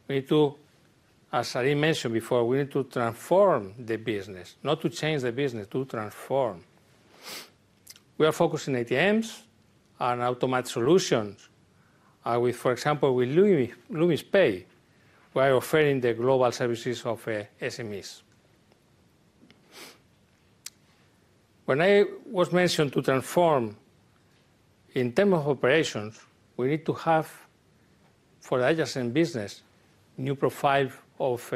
As Aritz mentioned before, we need to transform the business, not to change the business, to transform. We are focused on ATMs and automated solutions. For example, with Loomis Pay, we are offering the global services of SMEs. When I was mentioned to transform, in terms of operations, we need to have for the adjacent business new profile of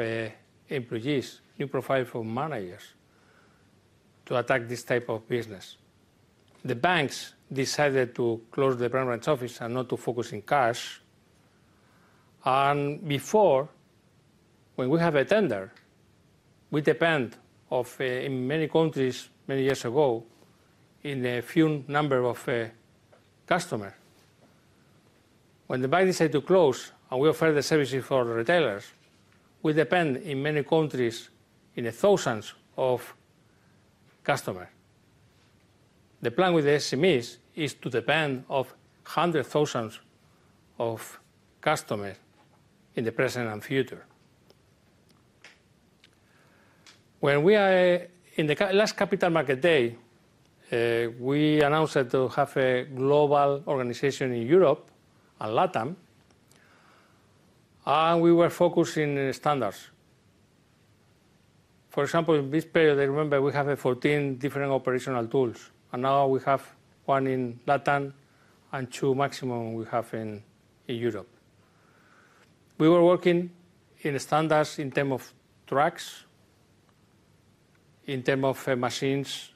employees, new profile for managers to attack this type of business. The banks decided to close the bank branch office and not to focus on cash. And before, when we have a tender, we depend on, in many countries, many years ago, on a few number of customers. When the bank decided to close and we offer the services for the retailers, we depend on many countries on thousands of customers. The plan with the SMEs is to depend on hundreds of thousands of customers in the present and future. When we are in the last Capital Markets Day, we announced that we have a global organization in Europe and LATAM, and we were focusing on standards. For example, in this period, I remember we have 14 different operational tools, and now we have one in LATAM and two maximum we have in Europe. We were working on standards in terms of trucks, in terms of machines,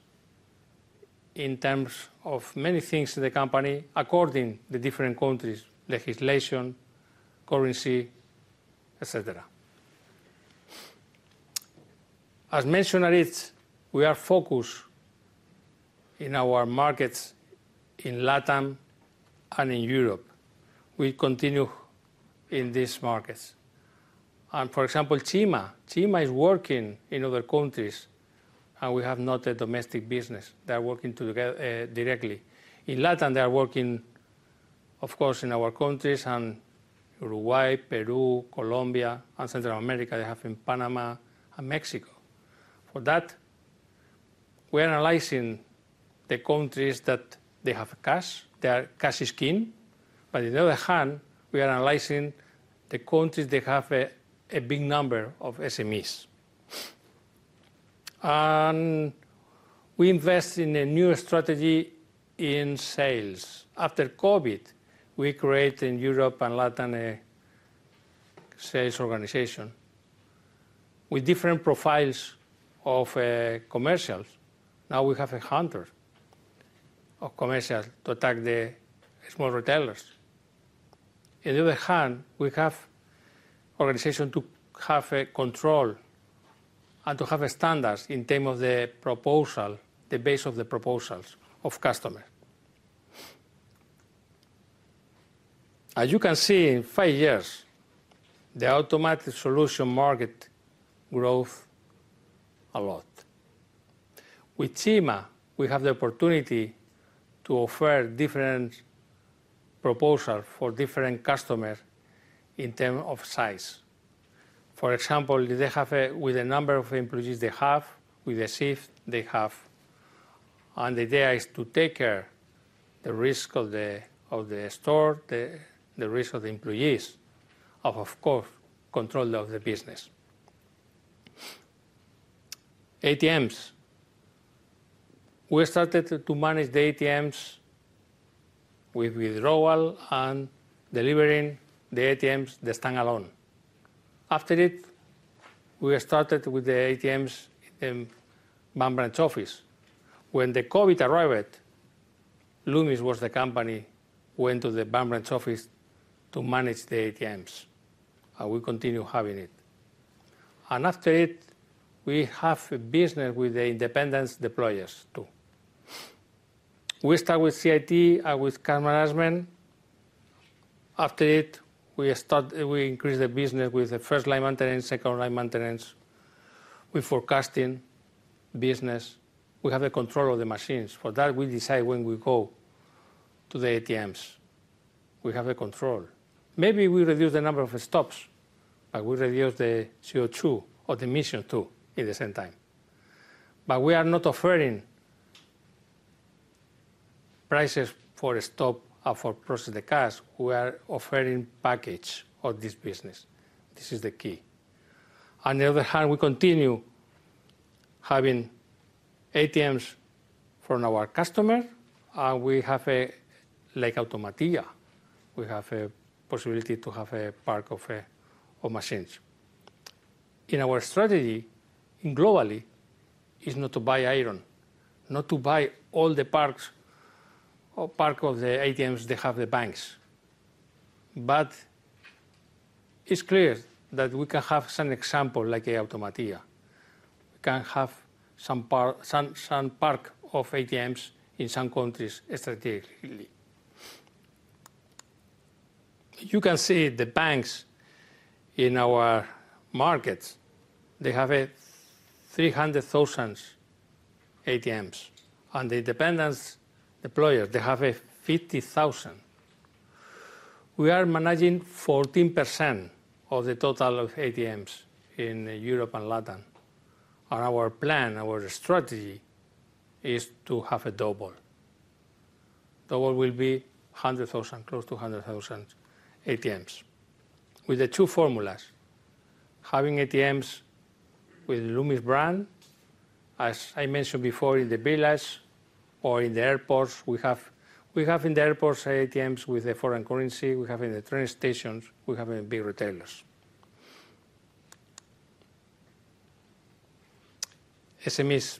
in terms of many things in the company according to the different countries' legislation, currency, etc. As mentioned, Aritz, we are focused on our markets in LATAM and in Europe. We continue in these markets, and for example, Cima. Cima is working in other countries, and we have no domestic business. They are working together directly. In LATAM, they are working, of course, in our countries and Uruguay, Peru, Colombia, and Central America. They have in Panama and Mexico. For that, we are analyzing the countries that they have cash. Their cash is king. On the other hand, we are analyzing the countries that have a big number of SMEs. And we invest in a new strategy in sales. After COVID, we created in Europe and LATAM a sales organization with different profiles of commercials. Now we have a hunter of commercials to attack the small retailers. On the other hand, we have an organization to have control and to have standards in terms of the proposal, the base of the proposals of customers. As you can see, in five years, the automated solutions market growth a lot. With Cima, we have the opportunity to offer different proposals for different customers in terms of size. For example, with the number of employees they have, with the shift they have, and the idea is to take care of the risk of the store, the risk of the employees, of, of course, control of the business. ATMs. We started to manage the ATMs with withdrawal and delivering the ATMs, the standalone. After it, we started with the ATMs in bank branch office. When the COVID arrived, Loomis was the company that went to the bank branch office to manage the ATMs. And we continue having it. And after it, we have a business with the independent deployers too. We start with CIT and with cash management. After it, we increased the business with the first-line maintenance, second-line maintenance, with forecasting business. We have control of the machines. For that, we decide when we go to the ATMs. We have control. Maybe we reduce the number of stops, but we reduce the CO2 or the emissions too at the same time. But we are not offering prices for a stop or for processing the cash. We are offering a package of this business. This is the key. On the other hand, we continue having ATMs for our customers. And we have like Automatia. We have a possibility to have a park of machines. In our strategy globally, it's not to buy iron, not to buy all the parks or park of the ATMs that have the banks. But it's clear that we can have some example like Automatia. We can have some park of ATMs in some countries strategically. You can see the banks in our markets. They have 300,000 ATMs. And the independent deployers, they have 50,000. We are managing 14% of the total of ATMs in Europe and LATAM. Our plan, our strategy is to have a double. Double will be close to 100,000 ATMs with the two formulas. Having ATMs with Loomis brand, as I mentioned before, in the villas or in the airports. We have in the airports ATMs with the foreign currency. We have in the train stations. We have in big retailers. SME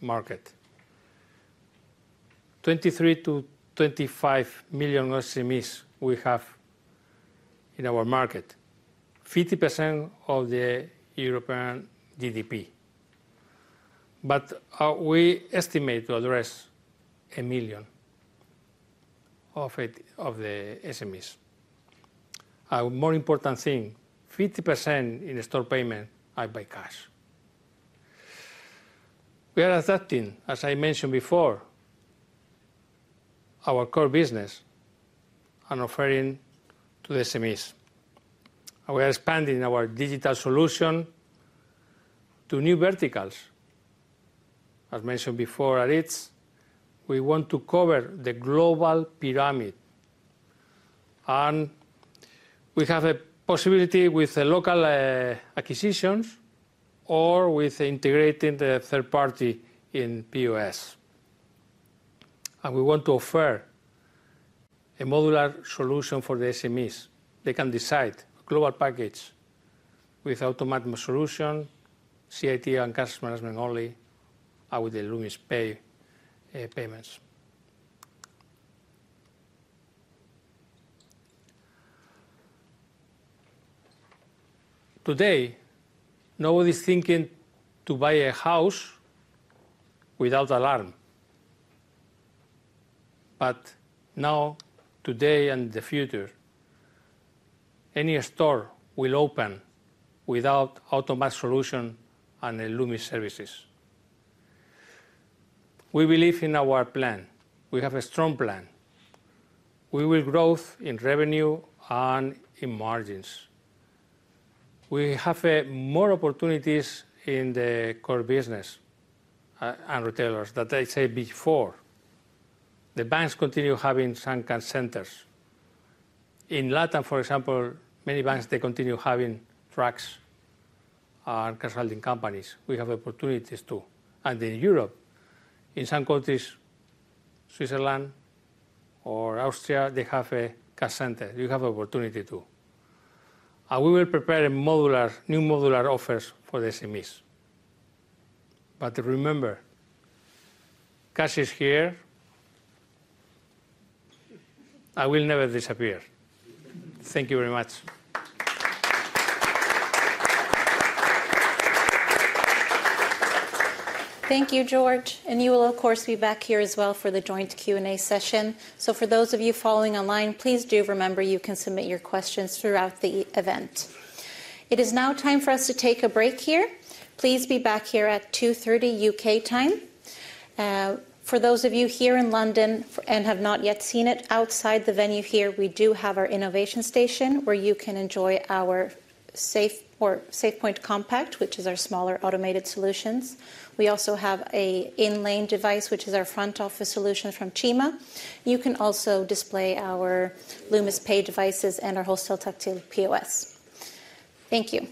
market. 23-25 million SMEs we have in our market, 50% of the European GDP. But we estimate to address 1 million of the SMEs. More important thing, 50% in store payment, I buy cash. We are adapting, as I mentioned before, our core business and offering to the SMEs. We are expanding our digital solution to new verticals. As mentioned before, Aritz, we want to cover the global pyramid. We have a possibility with local acquisitions or with integrating the third party in POS. We want to offer a modular solution for the SMEs. They can decide a global package with automated solution, CIT and cash management only, and with the Loomis Pay payments. Today, nobody's thinking to buy a house without alarm. Now, today and in the future, any store will open without automated solution and Loomis services. We believe in our plan. We have a strong plan. We will grow in revenue and in margins. We have more opportunities in the core business and retailers that I said before. The banks continue having some cash centers. In LATAM, for example, many banks, they continue having trucks and cash handling companies. We have opportunities too. In Europe, in some countries, Switzerland or Austria, they have a cash center. You have opportunity too. We will prepare new modular offers for the SMEs. Remember, cash is here. I will never disappear. Thank you very much. Thank you, George. And you will, of course, be back here as well for the joint Q&A session. So for those of you following online, please do remember you can submit your questions throughout the event. It is now time for us to take a break here. Please be back here at 2:30 P.M. U.K. time. For those of you here in London and have not yet seen it, outside the venue here, we do have our innovation station where you can enjoy our SafePoint Compact, which is our smaller automated solutions. We also have an in-lane device, which is our front office solution from Cima. You can also display our Loomis Pay devices and our Hosteltáctil POS. Thank you.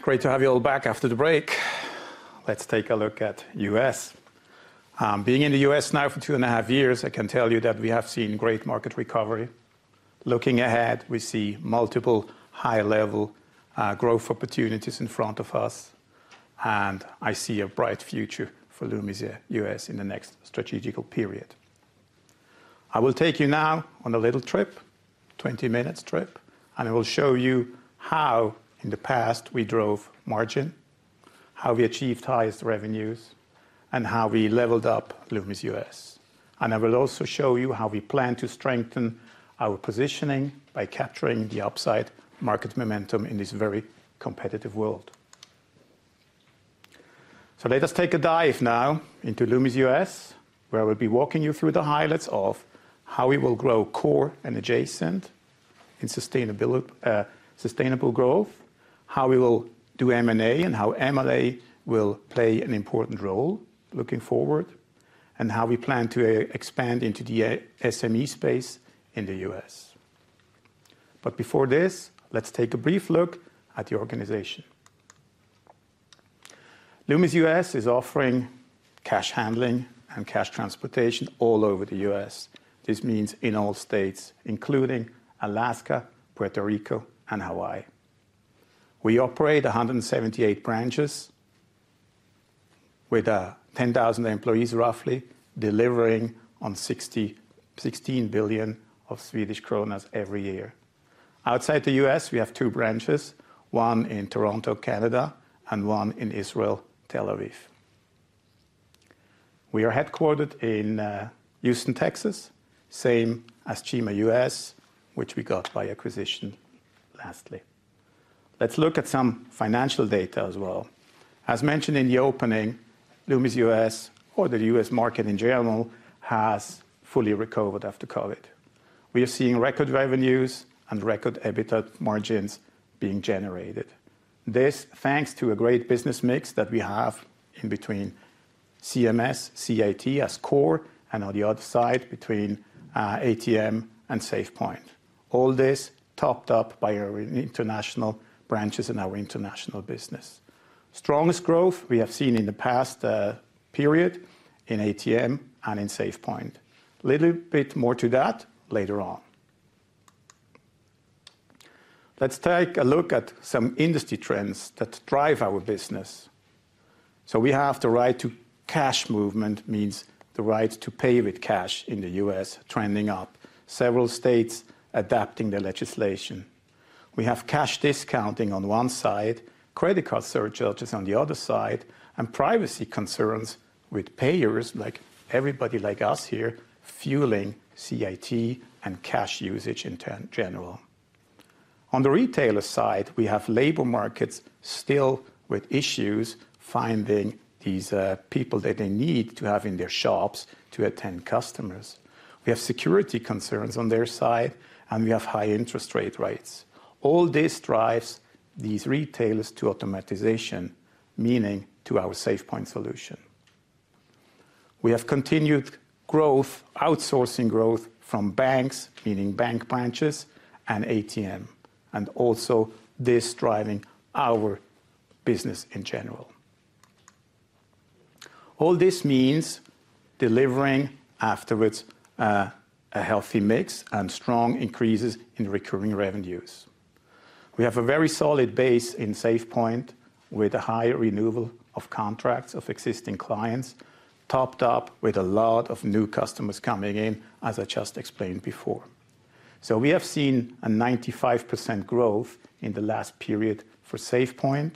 Great to have you all back after the break. Let's take a look at the U.S. Being in the US now for two and a half years, I can tell you that we have seen great market recovery. Looking ahead, we see multiple high-level growth opportunities in front of us, and I see a bright future for Loomis US in the next strategical period. I will take you now on a little trip, a 20-minute trip, and I will show you how in the past we drove margin, how we achieved highest revenues, and how we leveled up Loomis US, and I will also show you how we plan to strengthen our positioning by capturing the upside market momentum in this very competitive world. So let us take a dive now into Loomis US, where I will be walking you through the highlights of how we will grow core and adjacent in sustainable growth, how we will do M&A, and how M&A will play an important role looking forward, and how we plan to expand into the SME space in the U.S. But before this, let's take a brief look at the organization. Loomis US is offering cash handling and cash transportation all over the U.S. This means in all states, including Alaska, Puerto Rico, and Hawaii. We operate 178 branches with 10,000 employees roughly, delivering 16 billion every year. Outside the U.S., we have two branches, one in Toronto, Canada, and one in Israel, Tel Aviv. We are headquartered in Houston, Texas, same as CIMA US, which we got by acquisition lastly. Let's look at some financial data as well. As mentioned in the opening, Loomis US, or the US market in general, has fully recovered after COVID. We are seeing record revenues and record EBITDA margins being generated. This is thanks to a great business mix that we have in between CMS, CIT as core, and on the other side between ATM and SafePoint. All this topped up by our international branches and our international business. Strongest growth we have seen in the past period in ATM and in SafePoint. A little bit more to that later on. Let's take a look at some industry trends that drive our business. So we have the right to cash movement, means the right to pay with cash in the US trending up, several states adopting the legislation. We have cash discounting on one side, credit card surcharges on the other side, and privacy concerns with payers like everybody like us here, fueling CIT and cash usage in general. On the retailer side, we have labor markets still with issues finding these people that they need to have in their shops to attend customers. We have security concerns on their side, and we have high interest rates. All this drives these retailers to automation, meaning to our SafePoint solution. We have continued growth, outsourcing growth from banks, meaning bank branches and ATM, and also this driving our business in general. All this means delivering afterwards a healthy mix and strong increases in recurring revenues. We have a very solid base in SafePoint with a high renewal of contracts of existing clients, topped up with a lot of new customers coming in, as I just explained before. So we have seen a 95% growth in the last period for SafePoint,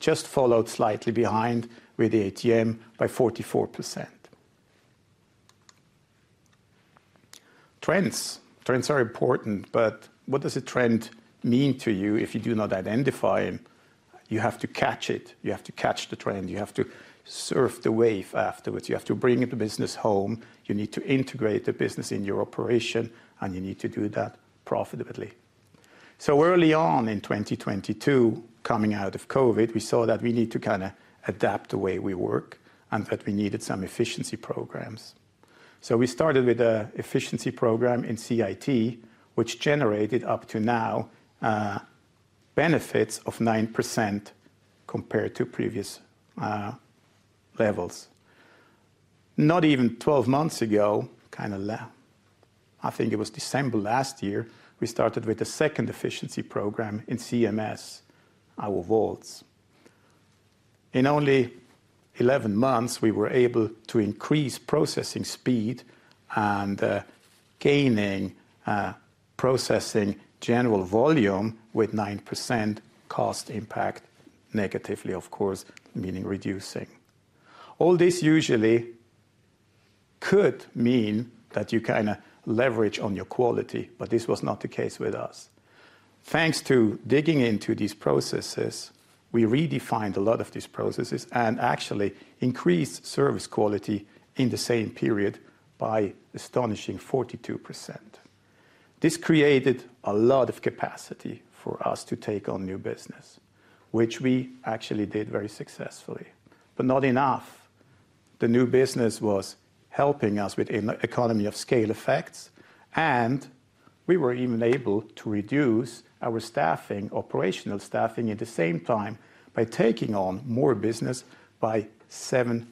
just followed slightly behind with the ATM by 44%. Trends. Trends are important, but what does a trend mean to you if you do not identify them? You have to catch it. You have to catch the trend. You have to surf the wave afterwards. You have to bring the business home. You need to integrate the business in your operation, and you need to do that profitably. So early on in 2022, coming out of COVID, we saw that we need to kind of adapt the way we work and that we needed some efficiency programs. So we started with an efficiency program in CIT, which generated up to now benefits of 9% compared to previous levels. Not even 12 months ago, kind of I think it was December last year, we started with the second efficiency program in CMS, our vaults. In only 11 months, we were able to increase processing speed and gaining processing general volume with 9% cost impact, negatively of course, meaning reducing. All this usually could mean that you kind of leverage on your quality, but this was not the case with us. Thanks to digging into these processes, we redefined a lot of these processes and actually increased service quality in the same period by astonishing 42%. This created a lot of capacity for us to take on new business, which we actually did very successfully. But not enough. The new business was helping us with economies of scale effects, and we were even able to reduce our staffing, operational staffing at the same time by taking on more business by 7%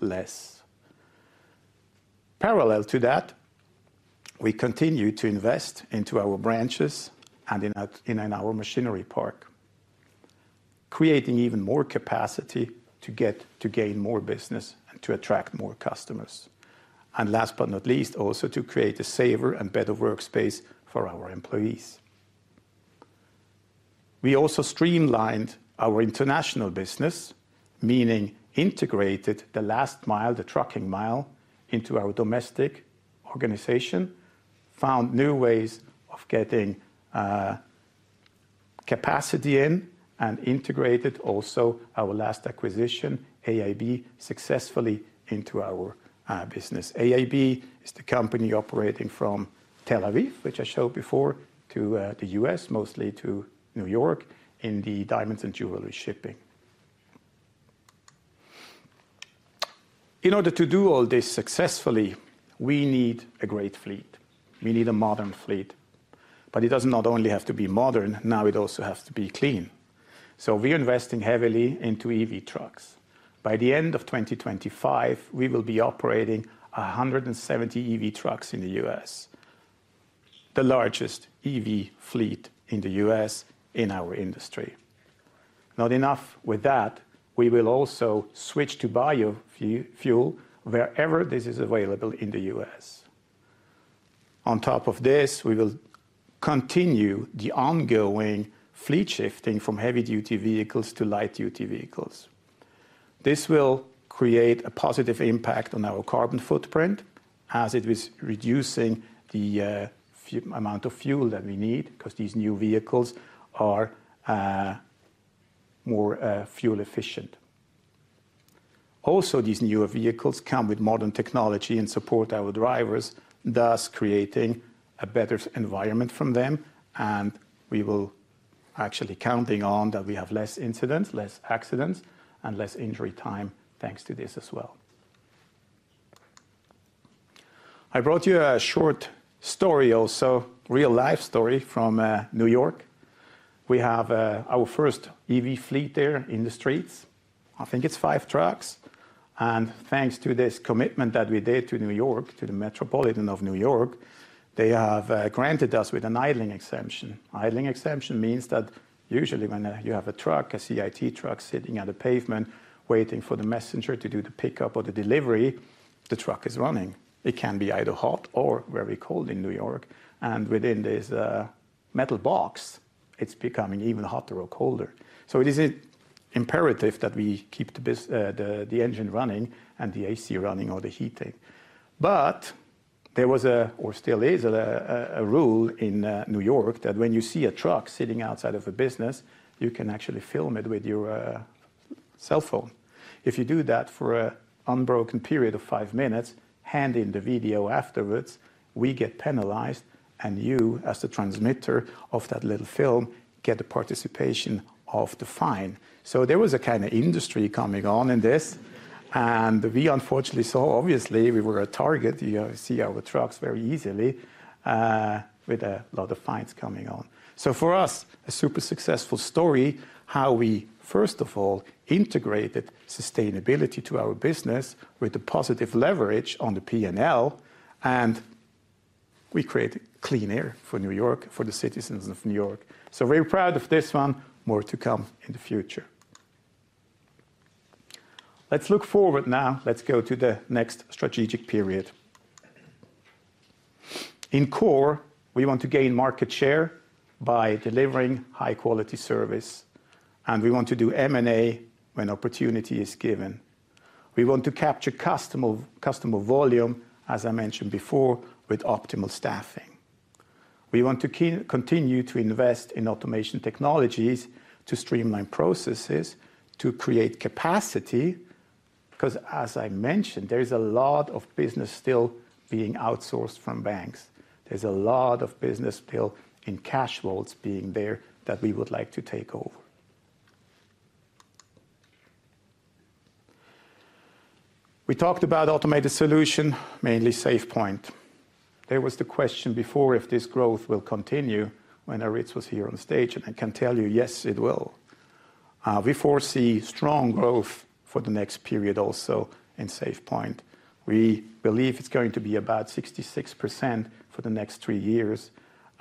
less. Parallel to that, we continue to invest into our branches and in our machinery park, creating even more capacity to gain more business and to attract more customers. And last but not least, also to create a safer and better workspace for our employees. We also streamlined our international business, meaning integrated the last mile, the trucking mile into our domestic organization, found new ways of getting capacity in, and integrated also our last acquisition, AIB, successfully into our business. AIB is the company operating from Tel Aviv, which I showed before, to the U.S., mostly to New York in the diamonds and jewelry shipping. In order to do all this successfully, we need a great fleet. We need a modern fleet, but not only does it have to be modern; now it also has to be clean. So we are investing heavily into EV trucks. By the end of 2025, we will be operating 170 EV trucks in the US, the largest EV fleet in the US in our industry. Not enough with that, we will also switch to biofuel wherever this is available in the US. On top of this, we will continue the ongoing fleet shifting from heavy-duty vehicles to light-duty vehicles. This will create a positive impact on our carbon footprint as it is reducing the amount of fuel that we need because these new vehicles are more fuel efficient. Also, these newer vehicles come with modern technology and support our drivers, thus creating a better environment for them, and we will actually be counting on that we have less incidents, less accidents, and less injury time thanks to this as well. I brought you a short story, also real-life story from New York. We have our first EV fleet there in the streets. I think it's five trucks, and thanks to this commitment that we did to New York, to the Metropolitan of New York, they have granted us with an idling exemption. Idling exemption means that usually when you have a truck, a CIT truck sitting on the pavement waiting for the messenger to do the pickup or the delivery, the truck is running. It can be either hot or very cold in New York, and within this metal box, it's becoming even hotter or colder. It is imperative that we keep the engine running and the AC running or the heating. But there was, or still is, a rule in New York that when you see a truck sitting outside of a business, you can actually film it with your cell phone. If you do that for an unbroken period of five minutes, hand in the video afterwards, we get penalized and you, as the transmitter of that little film, get the participation of the fine. So there was a kind of industry coming on in this. And we unfortunately saw, obviously we were a target. You see our trucks very easily with a lot of fines coming on. So for us, a super successful story, how we first of all integrated sustainability to our business with the positive leverage on the P&L, and we created clean air for New York, for the citizens of New York. So very proud of this one, more to come in the future. Let's look forward now. Let's go to the next strategic period. In core, we want to gain market share by delivering high-quality service, and we want to do M&A when opportunity is given. We want to capture customer volume, as I mentioned before, with optimal staffing. We want to continue to invest in automation technologies to streamline processes, to create capacity, because as I mentioned, there is a lot of business still being outsourced from banks. There's a lot of business still in cash vaults being there that we would like to take over. We talked about automated solution, mainly SafePoint. There was the question before if this growth will continue when Aritz was here on stage, and I can tell you, yes, it will. We foresee strong growth for the next period also in SafePoint. We believe it's going to be about 66% for the next three years.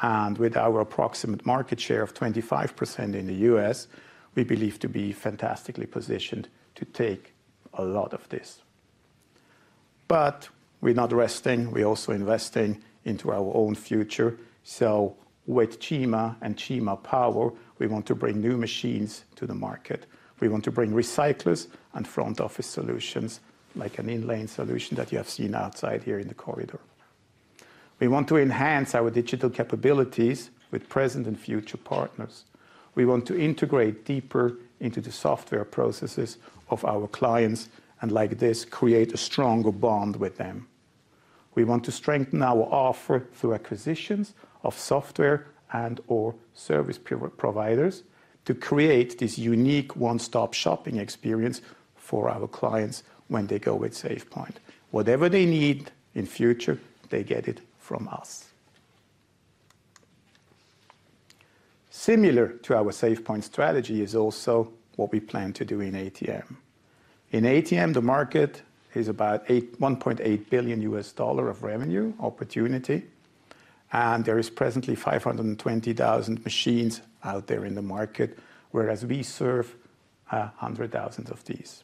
And with our approximate market share of 25% in the U.S., we believe to be fantastically positioned to take a lot of this. But we're not resting. We're also investing into our own future. So with Cima and Cima Power, we want to bring new machines to the market. We want to bring recyclers and front office solutions like an in-lane solution that you have seen outside here in the corridor. We want to enhance our digital capabilities with present and future partners. We want to integrate deeper into the software processes of our clients and like this create a stronger bond with them. We want to strengthen our offer through acquisitions of software and/or service providers to create this unique one-stop shopping experience for our clients when they go with SafePoint. Whatever they need in future, they get it from us. Similar to our SafePoint strategy is also what we plan to do in ATM. In ATM, the market is about $1.8 billion of revenue opportunity, and there is presently 520,000 machines out there in the market, whereas we serve hundred thousands of these.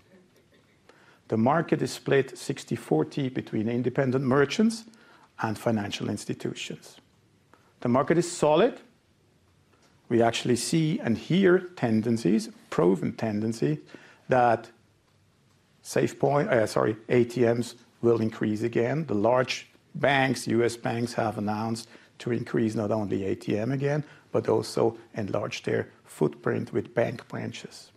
The market is split 60-40 between independent merchants and financial institutions. The market is solid. We actually see and hear tendencies, proven tendencies that SafePoint, sorry, ATMs will increase again. The large banks, U.S. banks have announced to increase not only ATM again, but also enlarge their footprint with bank branches.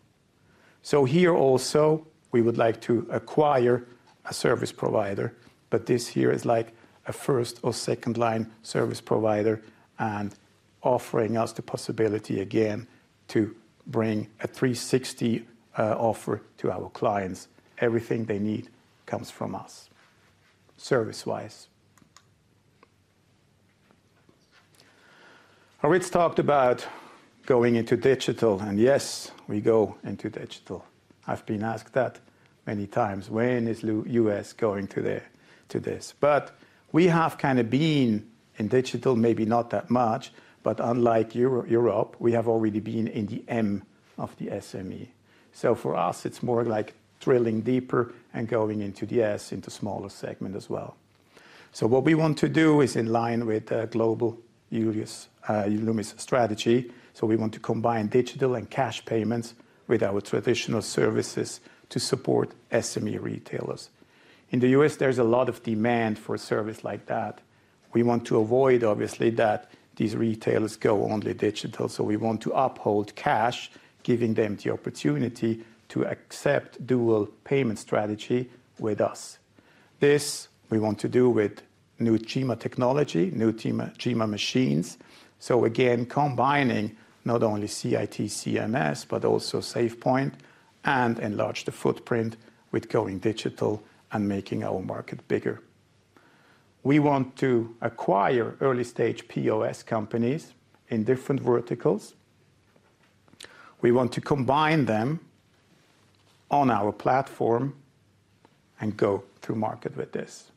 So here also, we would like to acquire a service provider, but this here is like a first or second line service provider and offering us the possibility again to bring a 360 offer to our clients. Everything they need comes from us, service-wise. Aritz talked about going into digital, and yes, we go into digital. I've been asked that many times. When is the U.S. going to this? But we have kind of been in digital, maybe not that much, but unlike Europe, we have already been in the M of the SME. So for us, it's more like drilling deeper and going into the S, into smaller segment as well. So what we want to do is in line with the global Loomis strategy. So we want to combine digital and cash payments with our traditional services to support SME retailers. In the US, there's a lot of demand for a service like that. We want to avoid, obviously, that these retailers go only digital. So we want to uphold cash, giving them the opportunity to accept dual payment strategy with us. This we want to do with new Cima technology, new Cima machines. So again, combining not only CIT, CMS, but also SafePoint and enlarge the footprint with going digital and making our market bigger. We want to acquire early-stage POS companies in different verticals. We want to combine them on our platform and go through market with this.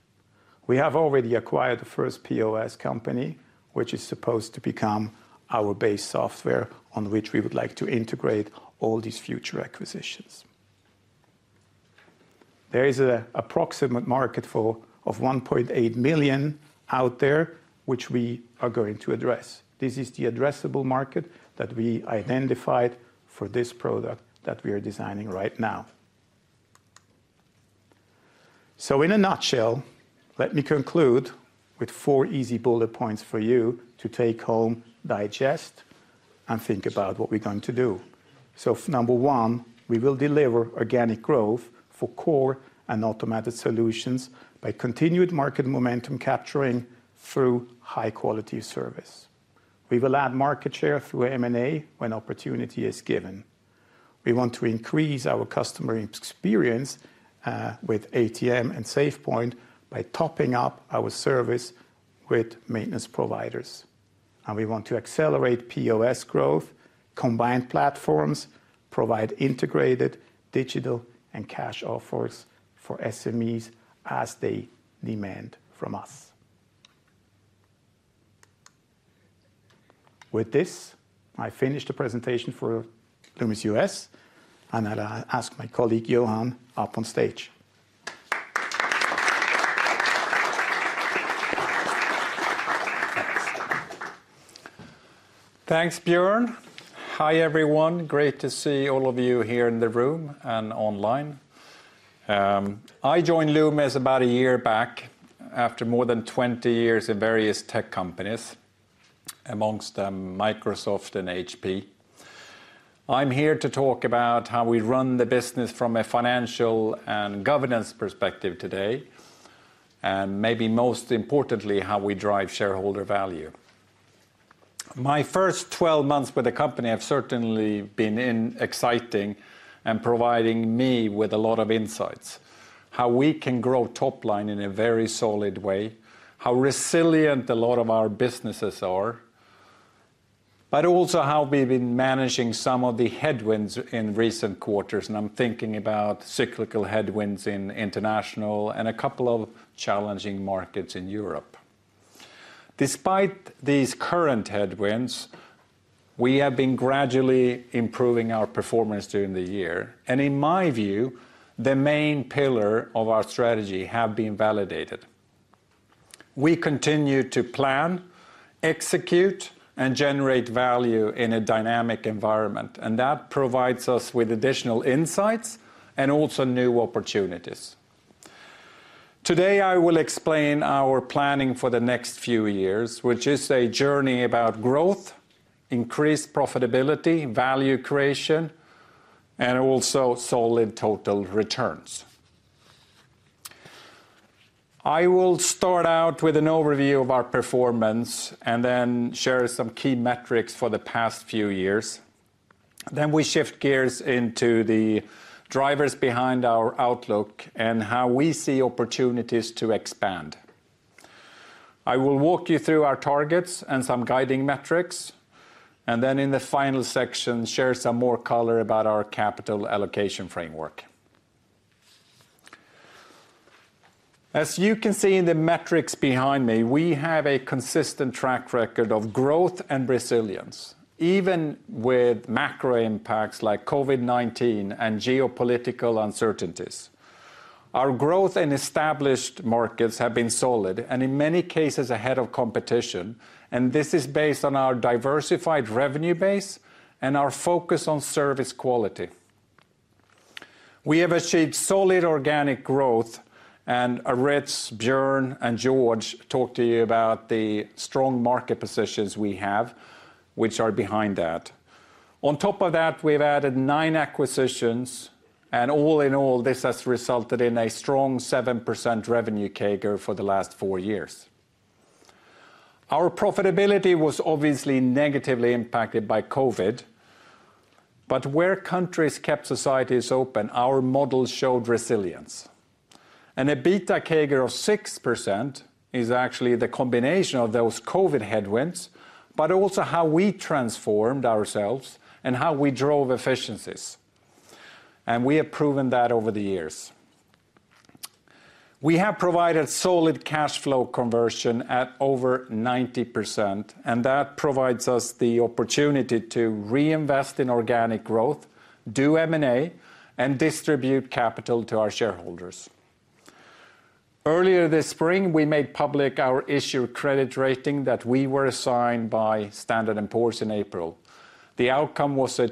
We have already acquired the first POS company, which is supposed to become our base software on which we would like to integrate all these future acquisitions. There is an approximate market of 1.8 million out there, which we are going to address. This is the addressable market that we identified for this product that we are designing right now. So in a nutshell, let me conclude with four easy bullet points for you to take home, digest, and think about what we're going to do. So number one, we will deliver organic growth for core and automated solutions by continued market momentum capturing through high-quality service. We will add market share through M&A when opportunity is given. We want to increase our customer experience with ATM and SafePoint by topping up our service with maintenance providers. And we want to accelerate POS growth, combine platforms, provide integrated digital and cash offers for SMEs as they demand from us. With this, I finished the presentation for Loomis US, and I'll ask my colleague Johan up on stage. Thanks, Björn. Hi everyone. Great to see all of you here in the room and online. I joined Loomis about a year back after more than 20 years in various tech companies, among them Microsoft and HP. I'm here to talk about how we run the business from a financial and governance perspective today, and maybe most importantly, how we drive shareholder value. My first 12 months with the company have certainly been exciting and providing me with a lot of insights, how we can grow top line in a very solid way, how resilient a lot of our businesses are, but also how we've been managing some of the headwinds in recent quarters, and I'm thinking about cyclical headwinds in international and a couple of challenging markets in Europe. Despite these current headwinds, we have been gradually improving our performance during the year, and in my view, the main pillar of our strategy has been validated. We continue to plan, execute, and generate value in a dynamic environment, and that provides us with additional insights and also new opportunities. Today, I will explain our planning for the next few years, which is a journey about growth, increased profitability, value creation, and also solid total returns. I will start out with an overview of our performance and then share some key metrics for the past few years, then we shift gears into the drivers behind our outlook and how we see opportunities to expand. I will walk you through our targets and some guiding metrics, and then in the final section, share some more color about our capital allocation framework. As you can see in the metrics behind me, we have a consistent track record of growth and resilience, even with macro impacts like COVID-19 and geopolitical uncertainties. Our growth in established markets has been solid and in many cases ahead of competition, and this is based on our diversified revenue base and our focus on service quality. We have achieved solid organic growth, and Aritz, Björn, and George talked to you about the strong market positions we have, which are behind that. On top of that, we've added nine acquisitions, and all in all, this has resulted in a strong 7% revenue CAGR for the last four years. Our profitability was obviously negatively impacted by COVID, but where countries kept societies open, our model showed resilience. A beta CAGR of 6% is actually the combination of those COVID headwinds, but also how we transformed ourselves and how we drove efficiencies. We have proven that over the years. We have provided solid cash flow conversion at over 90%, and that provides us the opportunity to reinvest in organic growth, do M&A, and distribute capital to our shareholders. Earlier this spring, we made public our issued credit rating that we were assigned by Standard & Poor's in April. The outcome was a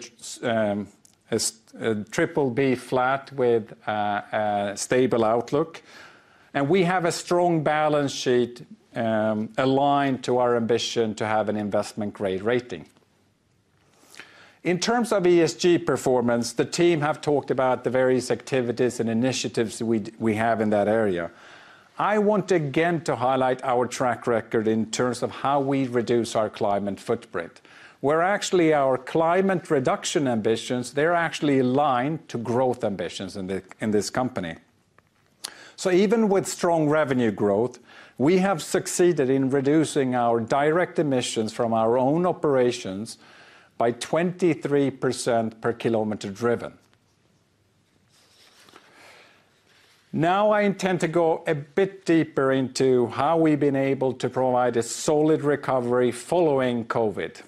triple B flat with a stable outlook, and we have a strong balance sheet aligned to our ambition to have an investment-grade rating. In terms of ESG performance, the team has talked about the various activities and initiatives we have in that area. I want again to highlight our track record in terms of how we reduce our climate footprint. We're actually our climate reduction ambitions, they're actually aligned to growth ambitions in this company. So even with strong revenue growth, we have succeeded in reducing our direct emissions from our own operations by 23% per kilometer driven. Now I intend to go a bit deeper into how we've been able to provide a solid recovery following COVID.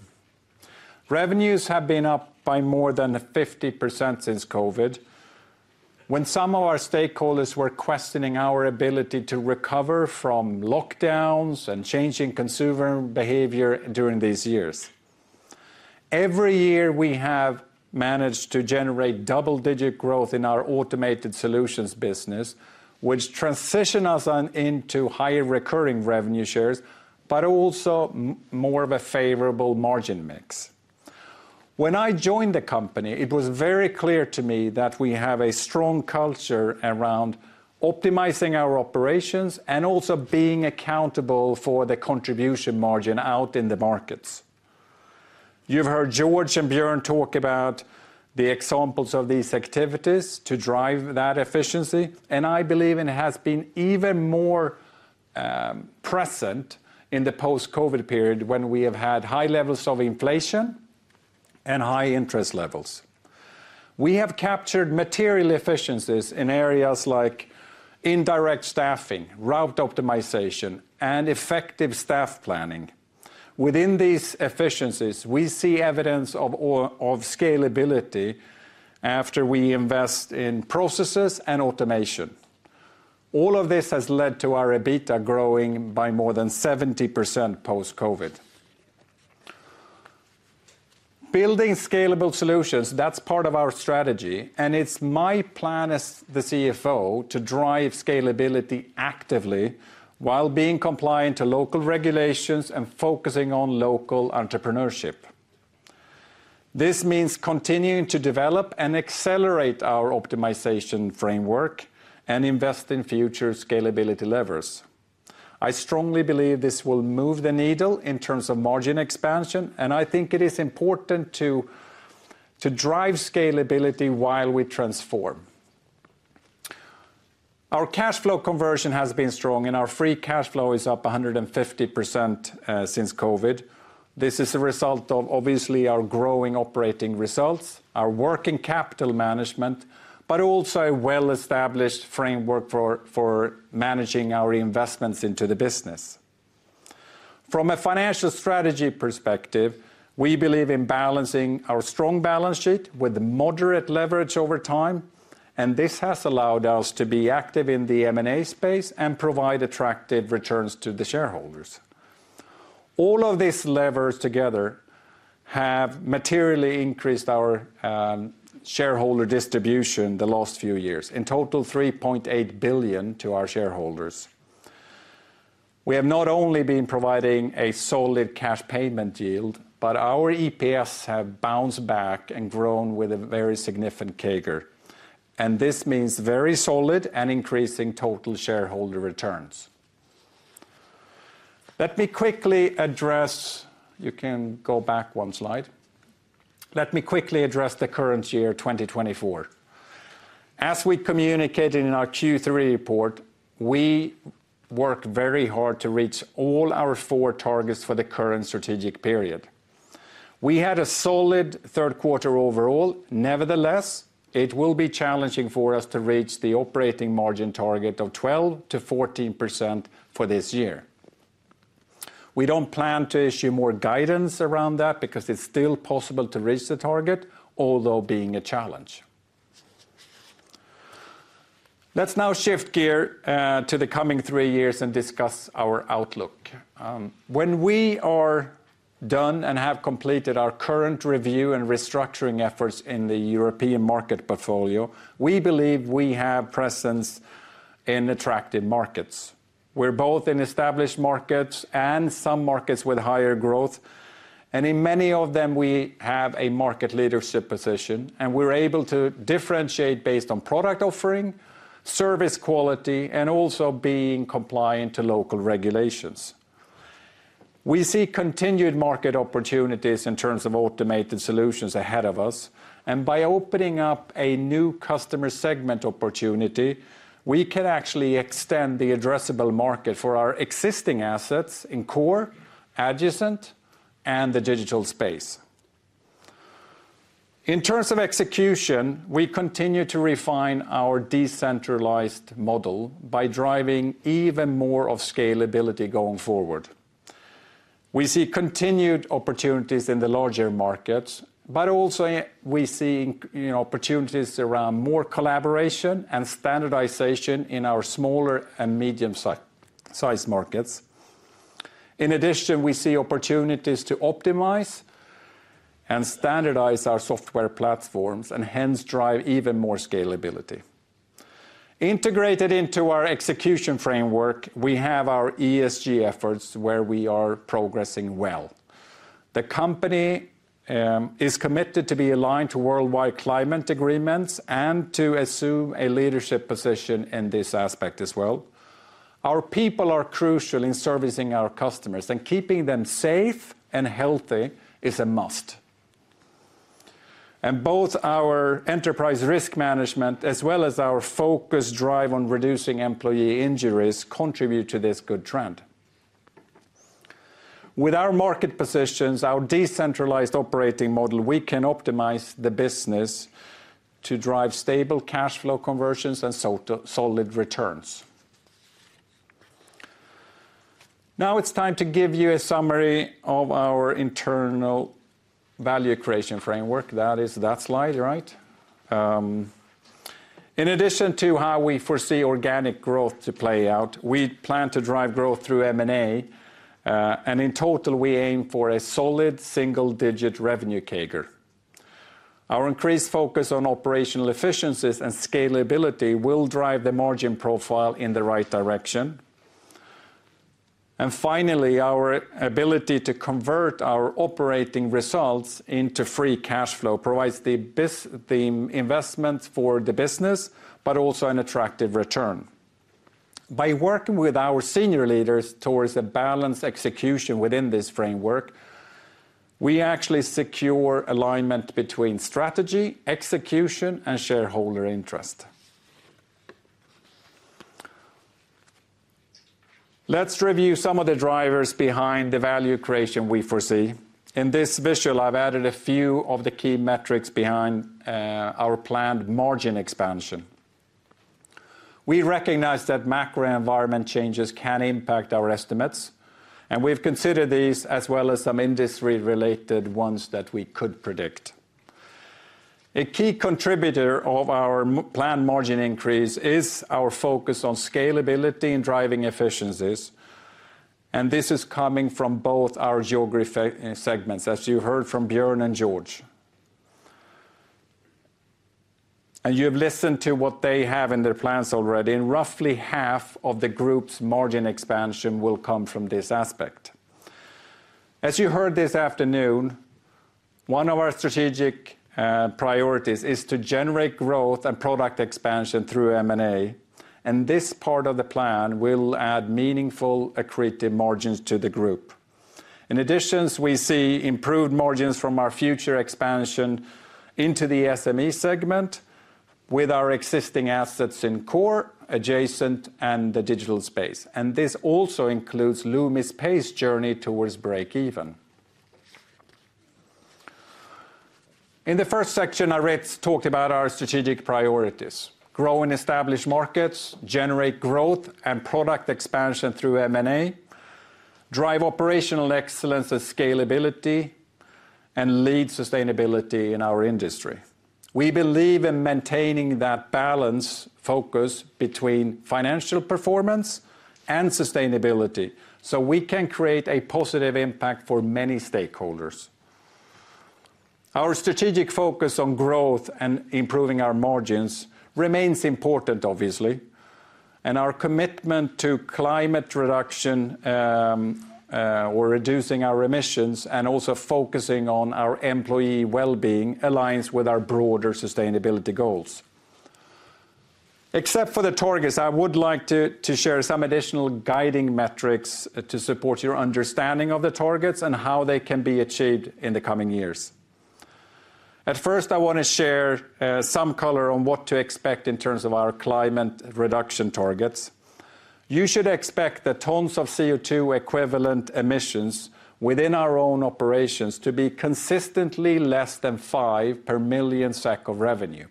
Revenues have been up by more than 50% since COVID, when some of our stakeholders were questioning our ability to recover from lockdowns and changing consumer behavior during these years. Every year, we have managed to generate double-digit growth in our automated solutions business, which transitioned us into higher recurring revenue shares, but also more of a favorable margin mix. When I joined the company, it was very clear to me that we have a strong culture around optimizing our operations and also being accountable for the contribution margin out in the markets. You've heard George and Björn talk about the examples of these activities to drive that efficiency, and I believe it has been even more present in the post-COVID period when we have had high levels of inflation and high interest levels. We have captured material efficiencies in areas like indirect staffing, route optimization, and effective staff planning. Within these efficiencies, we see evidence of scalability after we invest in processes and automation. All of this has led to our EBITDA growing by more than 70% post-COVID. Building scalable solutions, that's part of our strategy, and it's my plan as the CFO to drive scalability actively while being compliant to local regulations and focusing on local entrepreneurship. This means continuing to develop and accelerate our optimization framework and invest in future scalability levers. I strongly believe this will move the needle in terms of margin expansion, and I think it is important to drive scalability while we transform. Our cash flow conversion has been strong, and our free cash flow is up 150% since COVID. This is a result of obviously our growing operating results, our working capital management, but also a well-established framework for managing our investments into the business. From a financial strategy perspective, we believe in balancing our strong balance sheet with moderate leverage over time, and this has allowed us to be active in the M&A space and provide attractive returns to the shareholders. All of these levers together have materially increased our shareholder distribution the last few years, in total 3.8 billion SEK to our shareholders. We have not only been providing a solid cash payment yield, but our EPS have bounced back and grown with a very significant CAGR. And this means very solid and increasing total shareholder returns. Let me quickly address, you can go back one slide. Let me quickly address the current year, 2024. As we communicated in our Q3 report, we worked very hard to reach all our four targets for the current strategic period. We had a solid third quarter overall. Nevertheless, it will be challenging for us to reach the operating margin target of 12%-14% for this year. We don't plan to issue more guidance around that because it's still possible to reach the target, although being a challenge. Let's now shift gear to the coming three years and discuss our outlook. When we are done and have completed our current review and restructuring efforts in the European market portfolio, we believe we have presence in attractive markets. We're both in established markets and some markets with higher growth, and in many of them, we have a market leadership position, and we're able to differentiate based on product offering, service quality, and also being compliant to local regulations. We see continued market opportunities in terms of automated solutions ahead of us, and by opening up a new customer segment opportunity, we can actually extend the addressable market for our existing assets in core, adjacent, and the digital space. In terms of execution, we continue to refine our decentralized model by driving even more of scalability going forward. We see continued opportunities in the larger markets, but also we see opportunities around more collaboration and standardization in our smaller and medium-sized markets. In addition, we see opportunities to optimize and standardize our software platforms and hence drive even more scalability. Integrated into our execution framework, we have our ESG efforts where we are progressing well. The company is committed to be aligned to worldwide climate agreements and to assume a leadership position in this aspect as well. Our people are crucial in servicing our customers, and keeping them safe and healthy is a must, and both our enterprise risk management as well as our focused drive on reducing employee injuries contribute to this good trend. With our market positions, our decentralized operating model, we can optimize the business to drive stable cash flow conversions and solid returns. Now it's time to give you a summary of our internal value creation framework. That is that slide, right? In addition to how we foresee organic growth to play out, we plan to drive growth through M&A, and in total, we aim for a solid single-digit revenue CAGR. Our increased focus on operational efficiencies and scalability will drive the margin profile in the right direction. And finally, our ability to convert our operating results into free cash flow provides the investment for the business, but also an attractive return. By working with our senior leaders towards a balanced execution within this framework, we actually secure alignment between strategy, execution, and shareholder interest. Let's review some of the drivers behind the value creation we foresee. In this visual, I've added a few of the key metrics behind our planned margin expansion. We recognize that macro environment changes can impact our estimates, and we've considered these as well as some industry-related ones that we could predict. A key contributor of our planned margin increase is our focus on scalability and driving efficiencies, and this is coming from both our geography segments, as you heard from Björn and George, and you've listened to what they have in their plans already, and roughly half of the group's margin expansion will come from this aspect. As you heard this afternoon, one of our strategic priorities is to generate growth and product expansion through M&A, and this part of the plan will add meaningful accretive margins to the group. In addition, we see improved margins from our future expansion into the SME segment with our existing assets in core, adjacent, and the digital space, and this also includes Loomis Pay's journey towards break-even. In the first section, Aritz talked about our strategic priorities: grow in established markets, generate growth and product expansion through M&A, drive operational excellence and scalability, and lead sustainability in our industry. We believe in maintaining that balance focus between financial performance and sustainability so we can create a positive impact for many stakeholders. Our strategic focus on growth and improving our margins remains important, obviously, and our commitment to climate reduction or reducing our emissions and also focusing on our employee well-being aligns with our broader sustainability goals. Except for the targets, I would like to share some additional guiding metrics to support your understanding of the targets and how they can be achieved in the coming years. At first, I want to share some color on what to expect in terms of our climate reduction targets. You should expect that tons of CO2 equivalent emissions within our own operations to be consistently less than five per million SEK of revenue,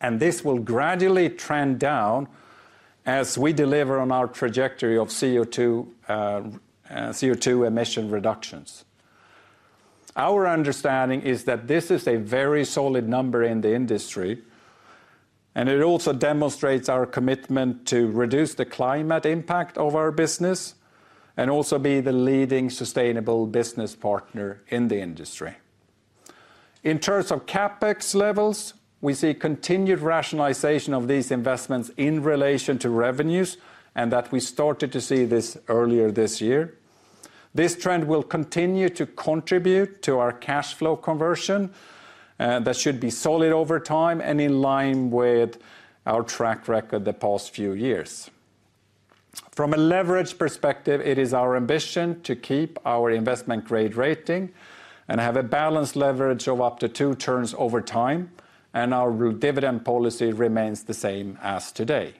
and this will gradually trend down as we deliver on our trajectory of CO2 emission reductions. Our understanding is that this is a very solid number in the industry, and it also demonstrates our commitment to reduce the climate impact of our business and also be the leading sustainable business partner in the industry. In terms of CapEx levels, we see continued rationalization of these investments in relation to revenues, and that we started to see this earlier this year. This trend will continue to contribute to our cash flow conversion that should be solid over time and in line with our track record the past few years. From a leverage perspective, it is our ambition to keep our investment grade rating and have a balanced leverage of up to two turns over time, and our dividend policy remains the same as today.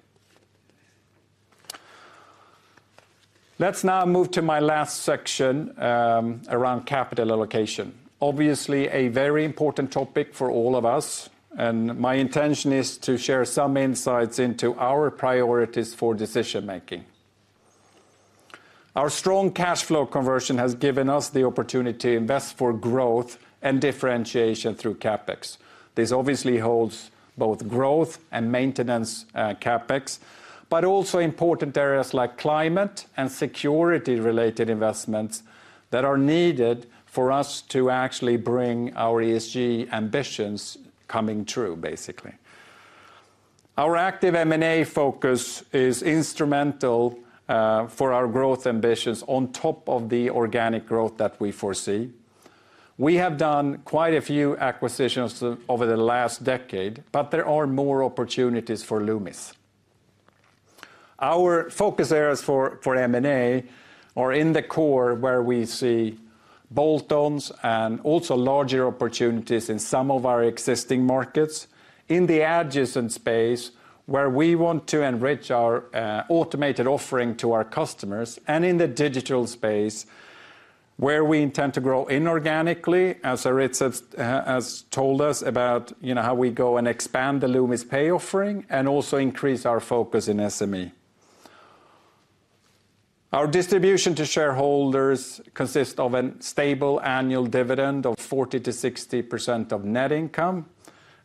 Let's now move to my last section around capital allocation. Obviously, a very important topic for all of us, and my intention is to share some insights into our priorities for decision-making. Our strong cash flow conversion has given us the opportunity to invest for growth and differentiation through CapEx. This obviously holds both growth and maintenance CapEx, but also important areas like climate and security-related investments that are needed for us to actually bring our ESG ambitions coming true, basically. Our active M&A focus is instrumental for our growth ambitions on top of the organic growth that we foresee. We have done quite a few acquisitions over the last decade, but there are more opportunities for Loomis. Our focus areas for M&A are in the core where we see bolt-ons and also larger opportunities in some of our existing markets, in the adjacent space where we want to enrich our automated offering to our customers, and in the digital space where we intend to grow inorganically, as Aritz has told us about how we go and expand the Loomis Pay offering and also increase our focus in SME. Our distribution to shareholders consists of a stable annual dividend of 40%-60% of net income,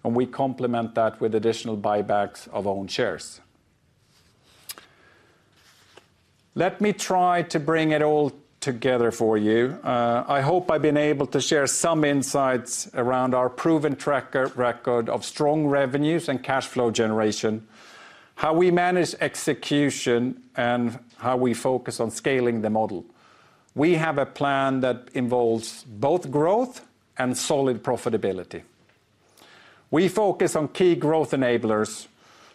and we complement that with additional buybacks of own shares. Let me try to bring it all together for you. I hope I've been able to share some insights around our proven track record of strong revenues and cash flow generation, how we manage execution, and how we focus on scaling the model. We have a plan that involves both growth and solid profitability. We focus on key growth enablers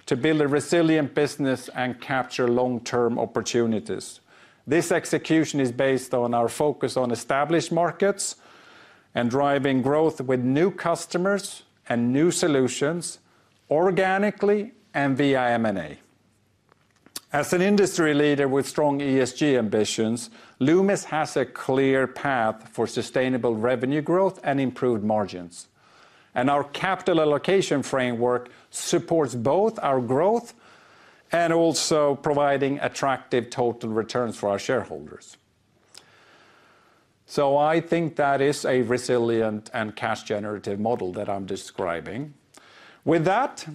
to build a resilient business and capture long-term opportunities. This execution is based on our focus on established markets and driving growth with new customers and new solutions organically and via M&A. As an industry leader with strong ESG ambitions, Loomis has a clear path for sustainable revenue growth and improved margins, and our capital allocation framework supports both our growth and also providing attractive total returns for our shareholders. So I think that is a resilient and cash-generative model that I'm describing. With that,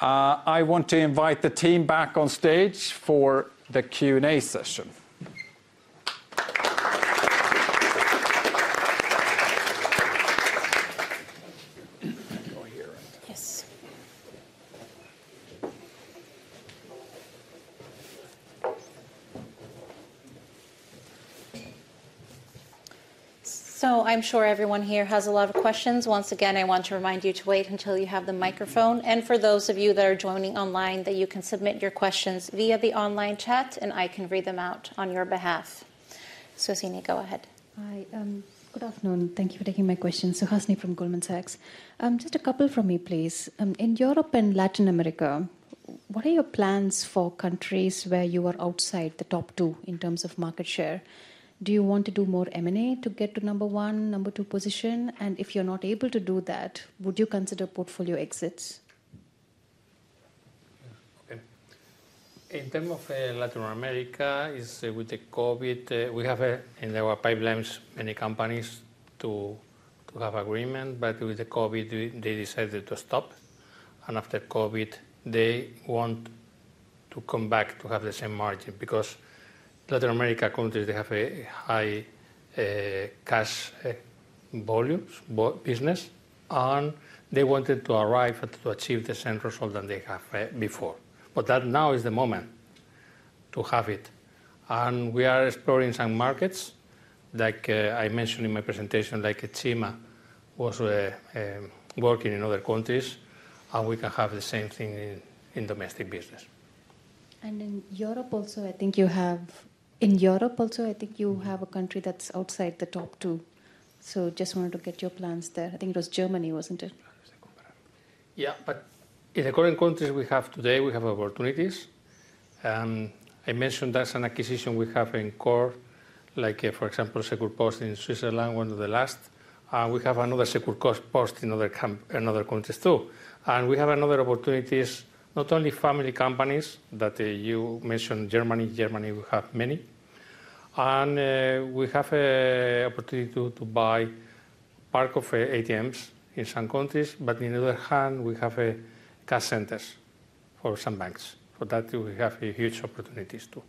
I want to invite the team back on stage for the Q&A session. So I'm sure everyone here has a lot of questions. Once again, I want to remind you to wait until you have the microphone. And for those of you that are joining online, that you can submit your questions via the online chat, and I can read them out on your behalf. Suzane, go ahead. Hi, good afternoon. Thank you for taking my question. So, Suhasini from Goldman Sachs. Just a couple from me, please. In Europe and Latin America, what are your plans for countries where you are outside the top two in terms of market share? Do you want to do more M&A to get to number one, number two position? And if you're not able to do that, would you consider portfolio exits? Okay. In terms of Latin America, with the COVID, we have in our pipelines many companies to have agreement, but with the COVID, they decided to stop. After COVID, they want to come back to have the same margin because Latin America countries, they have a high cash volume business, and they wanted to arrive to achieve the same result than they have before. But that now is the moment to have it. We are exploring some markets, like I mentioned in my presentation, like Cima was working in other countries, and we can have the same thing in domestic business. In Europe also, I think you have a country that's outside the top two. So just wanted to get your plans there. I think it was Germany, wasn't it? Yeah, but in the current countries we have today, we have opportunities. I mentioned there's an acquisition we have in core, like for example, SecurePost in Switzerland, one of the last. We have another SecurePost in other countries too. And we have another opportunity, not only family companies that you mentioned, Germany, Germany we have many. And we have an opportunity to buy part of ATMs in some countries, but on the other hand, we have cash centers for some banks. For that, we have huge opportunities too.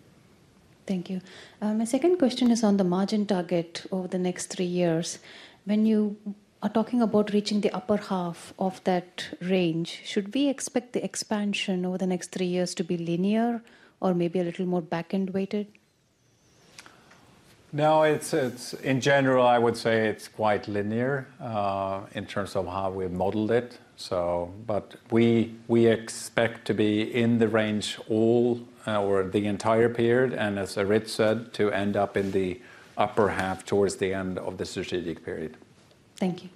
Thank you. My second question is on the margin target over the next three years. When you are talking about reaching the upper half of that range, should we expect the expansion over the next three years to be linear or maybe a little more back-end weighted? Now, in general, I would say it's quite linear in terms of how we've modeled it. But we expect to be in the range all or the entire period, and as Aritz said, to end up in the upper half towards the end of the strategic period. Thank you.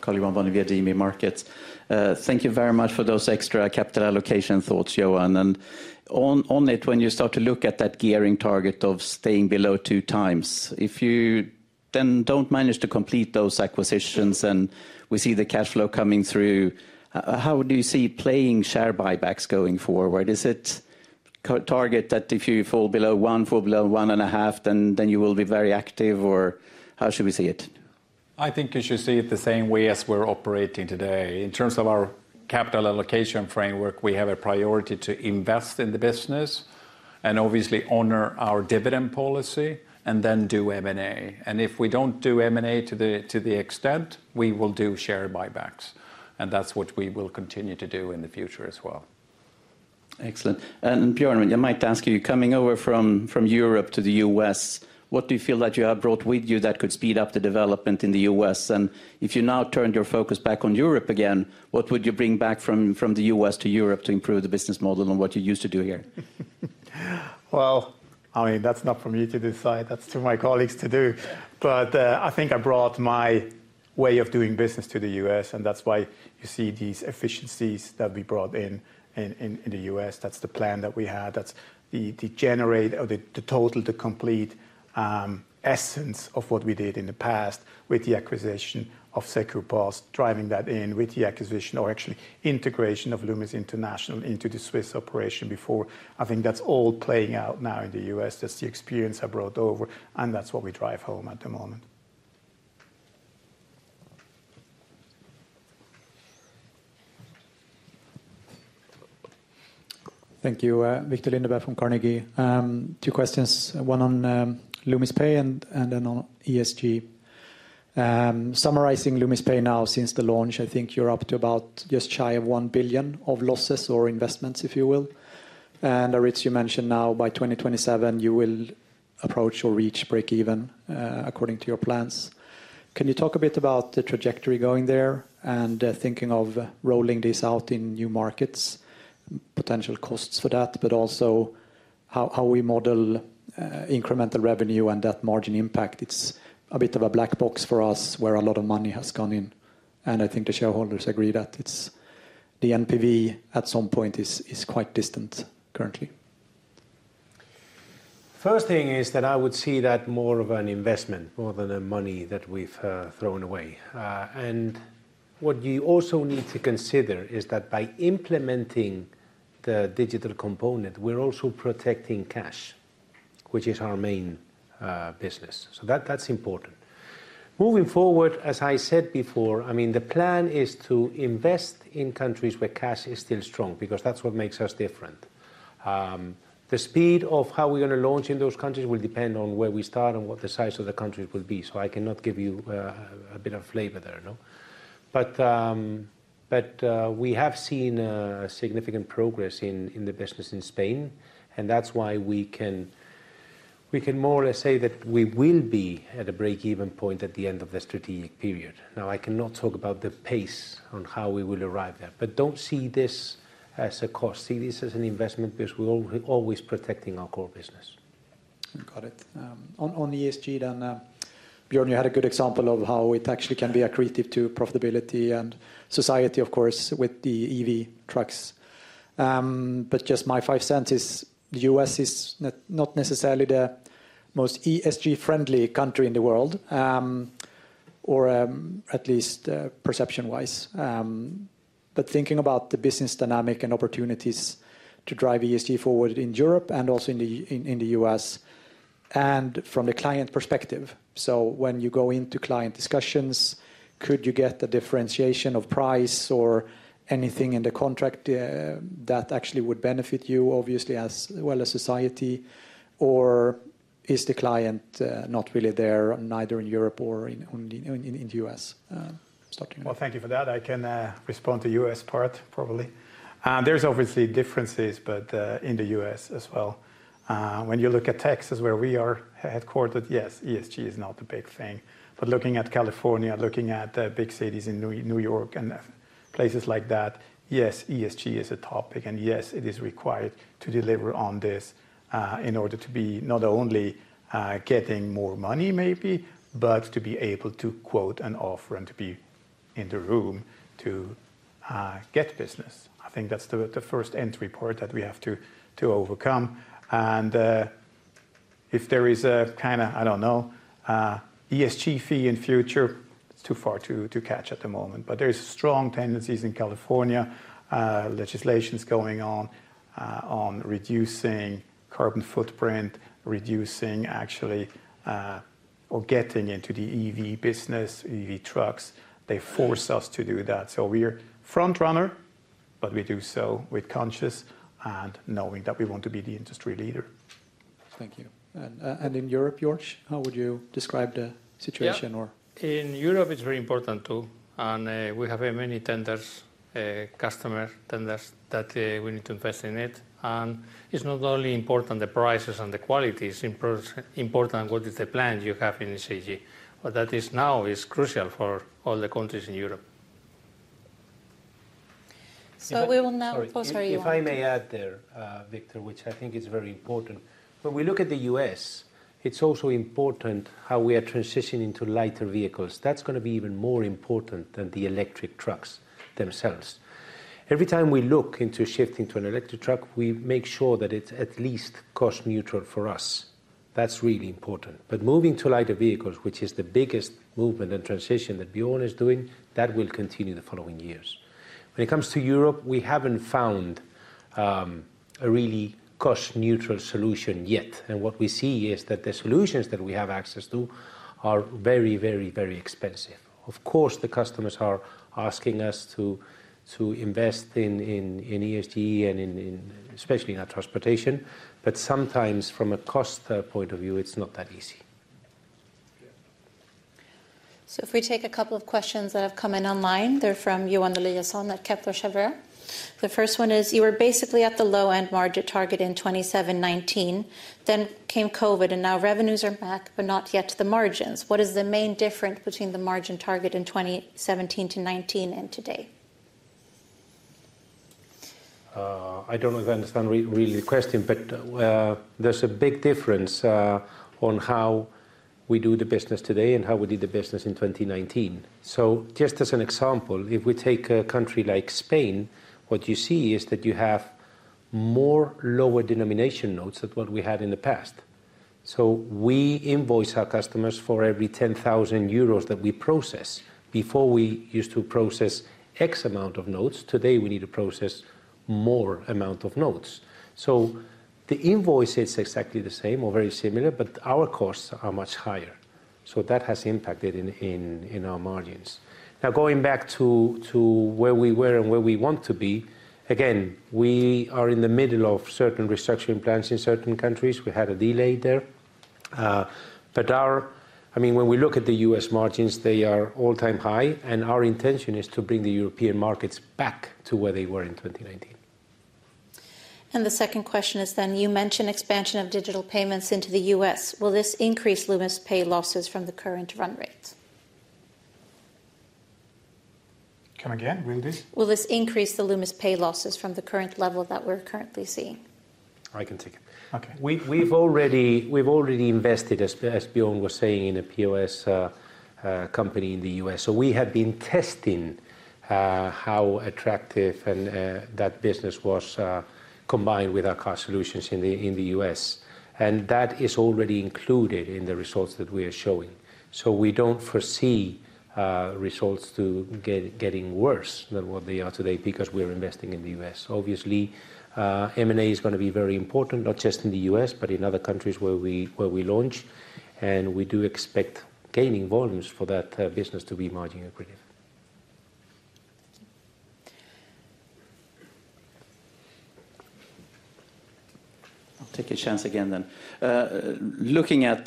Colleague from the DNB Markets, thank you very much for those extra capital allocation thoughts, Johan. And on it, when you start to look at that gearing target of staying below two times, if you then don't manage to complete those acquisitions and we see thecash flow coming through, how do you see playing share buybacks going forward? Is it a target that if you fall below one, fall below one and a half, then you will be very active, or how should we see it? I think you should see it the same way as we're operating today. In terms of our capital allocation framework, we have a priority to invest in the business and obviously honor our dividend policy and then do M&A, and if we don't do M&A to the extent, we will do share buybacks, and that's what we will continue to do in the future as well. Excellent, and Björn, I might ask you, coming over from Europe to the U.S., what do you feel that you have brought with you that could speed up the development in the U.S.? And if you now turned your focus back on Europe again, what would you bring back from the U.S. to Europe to improve the business model and what you used to do here, well, I mean, that's not for me to decide. That's to my colleagues to do. But I think I brought my way of doing business to the U.S., and that's why you see these efficiencies that we brought in in the U.S. That's the plan that we had. That's the generate or the total to complete essence of what we did in the past with the acquisition of SecurePost, driving that in with the acquisition or actually integration of Loomis International into the Swiss operation before. I think that's all playing out now in the U.S. That's the experience I brought over, and that's what we drive home at the moment. Thank you. Viktor Lindberg from Carnegie. Two questions. One on Loomis Pay and then on ESG. Summarizing Loomis Pay now, since the launch, I think you're up to about just shy of one billion of losses or investments, if you will. Aritz, you mentioned now by 2027, you will approach or reach break-even according to your plans. Can you talk a bit about the trajectory going there and thinking of rolling this out in new markets, potential costs for that, but also how we model incremental revenue and that margin impact? It's a bit of a black box for us where a lot of money has gone in, and I think the shareholders agree that the NPV at some point is quite distant currently. First thing is that I would see that more of an investment, more than money that we've thrown away. What you also need to consider is that by implementing the digital component, we're also protecting cash, which is our main business. So that's important. Moving forward, as I said before, I mean, the plan is to invest in countries where cash is still strong because that's what makes us different. The speed of how we're going to launch in those countries will depend on where we start and what the size of the countries will be. So I cannot give you a bit of flavor there. But we have seen significant progress in the business in Spain, and that's why we can more or less say that we will be at a break-even point at the end of the strategic period. Now, I cannot talk about the pace on how we will arrive there, but don't see this as a cost. See this as an investment because we're always protecting our core business. Got it. On ESG then, Björn, you had a good example of how it actually can be accretive to profitability and society, of course, with the EV trucks. But just my five cents is the U.S. is not necessarily the most ESG-friendly country in the world, or at least perception-wise. But thinking about the business dynamic and opportunities to drive ESG forward in Europe and also in the U.S. and from the client perspective. So when you go into client discussions, could you get a differentiation of price or anything in the contract that actually would benefit you, obviously, as well as society? Or is the client not really there, neither in Europe or in the U.S.? Well, thank you for that. I can respond to the U.S. part, probably. There's obviously differences, but in the U.S. as well. When you look at Texas where we are headquartered, yes, ESG is not a big thing, but looking at California, looking at big cities in New York and places like that, yes, ESG is a topic, and yes, it is required to deliver on this in order to be not only getting more money, maybe, but to be able to quote an offer and to be in the room to get business. I think that's the first entry point that we have to overcome, and if there is a kind of, I don't know, ESG fee in future, it's too far to catch at the moment, but there's strong tendencies in California, legislation's going on reducing carbon footprint, reducing actually or getting into the EV business, EV trucks. They force us to do that. So we're front-runner, but we do so with conscious and knowing that we want to be the industry leader. Thank you. And in Europe, Björn, how would you describe the situation? In Europe, it's very important too. And we have many tenders, customer tenders that we need to invest in it. And it's not only important the prices and the quality is important, what is the plan you have in ESG, but that is now crucial for all the countries in Europe. So we will now, sorry, Johan. If I may add there, Viktor, which I think is very important. When we look at the U.S., it's also important how we are transitioning to lighter vehicles. That's going to be even more important than the electric trucks themselves. Every time we look into shifting to an electric truck, we make sure that it's at least cost-neutral for us. That's really important, but moving to lighter vehicles, which is the biggest movement and transition that Björn is doing, that will continue the following years. When it comes to Europe, we haven't found a really cost-neutral solution yet, and what we see is that the solutions that we have access to are very, very, very expensive. Of course, the customers are asking us to invest in ESG and especially in our transportation, but sometimes from a cost point of view, it's not that easy. so if we take a couple of questions that have come in online, they're from Johan Eliason at Kepler Cheuvreux. The first one is, you were basically at the low-end margin target in 2017-2019, then came COVID, and now revenues are back, but not yet to the margins. What is the main difference between the margin target in 2017-2019 and today? I don't know if I understand really the question, but there's a big difference on how we do the business today and how we did the business in 2019. So just as an example, if we take a country like Spain, what you see is that you have more lower denomination notes than what we had in the past. So we invoice our customers for every 10,000 euros that we process. Before, we used to process X amount of notes. Today, we need to process more amount of notes. So the invoice is exactly the same or very similar, but our costs are much higher. So that has impacted in our margins. Now, going back to where we were and where we want to be, again, we are in the middle of certain restructuring plans in certain countries. We had a delay there. I mean, when we look at the U.S. margins, they are all-time high, and our intention is to bring the European markets back to where they were in 2019. The second question is then, you mentioned expansion of digital payments into the U.S. Will this increase Loomis Pay losses from the current run rate? Come again, will this? Will this increase the Loomis Pay losses from the current level that we're currently seeing? I can take it. Okay. We've already invested, as Björn was saying, in a POS company in the U.S. We have been testing how attractive that business was combined with our cash solutions in the U.S. That is already included in the results that we are showing. We don't foresee results to getting worse than what they are today because we're investing in the U.S. Obviously, M&A is going to be very important, not just in the U.S., but in other countries where we launch. And we do expect gaining volumes for that business to be margin accretive. I'll take a chance again then. Looking at,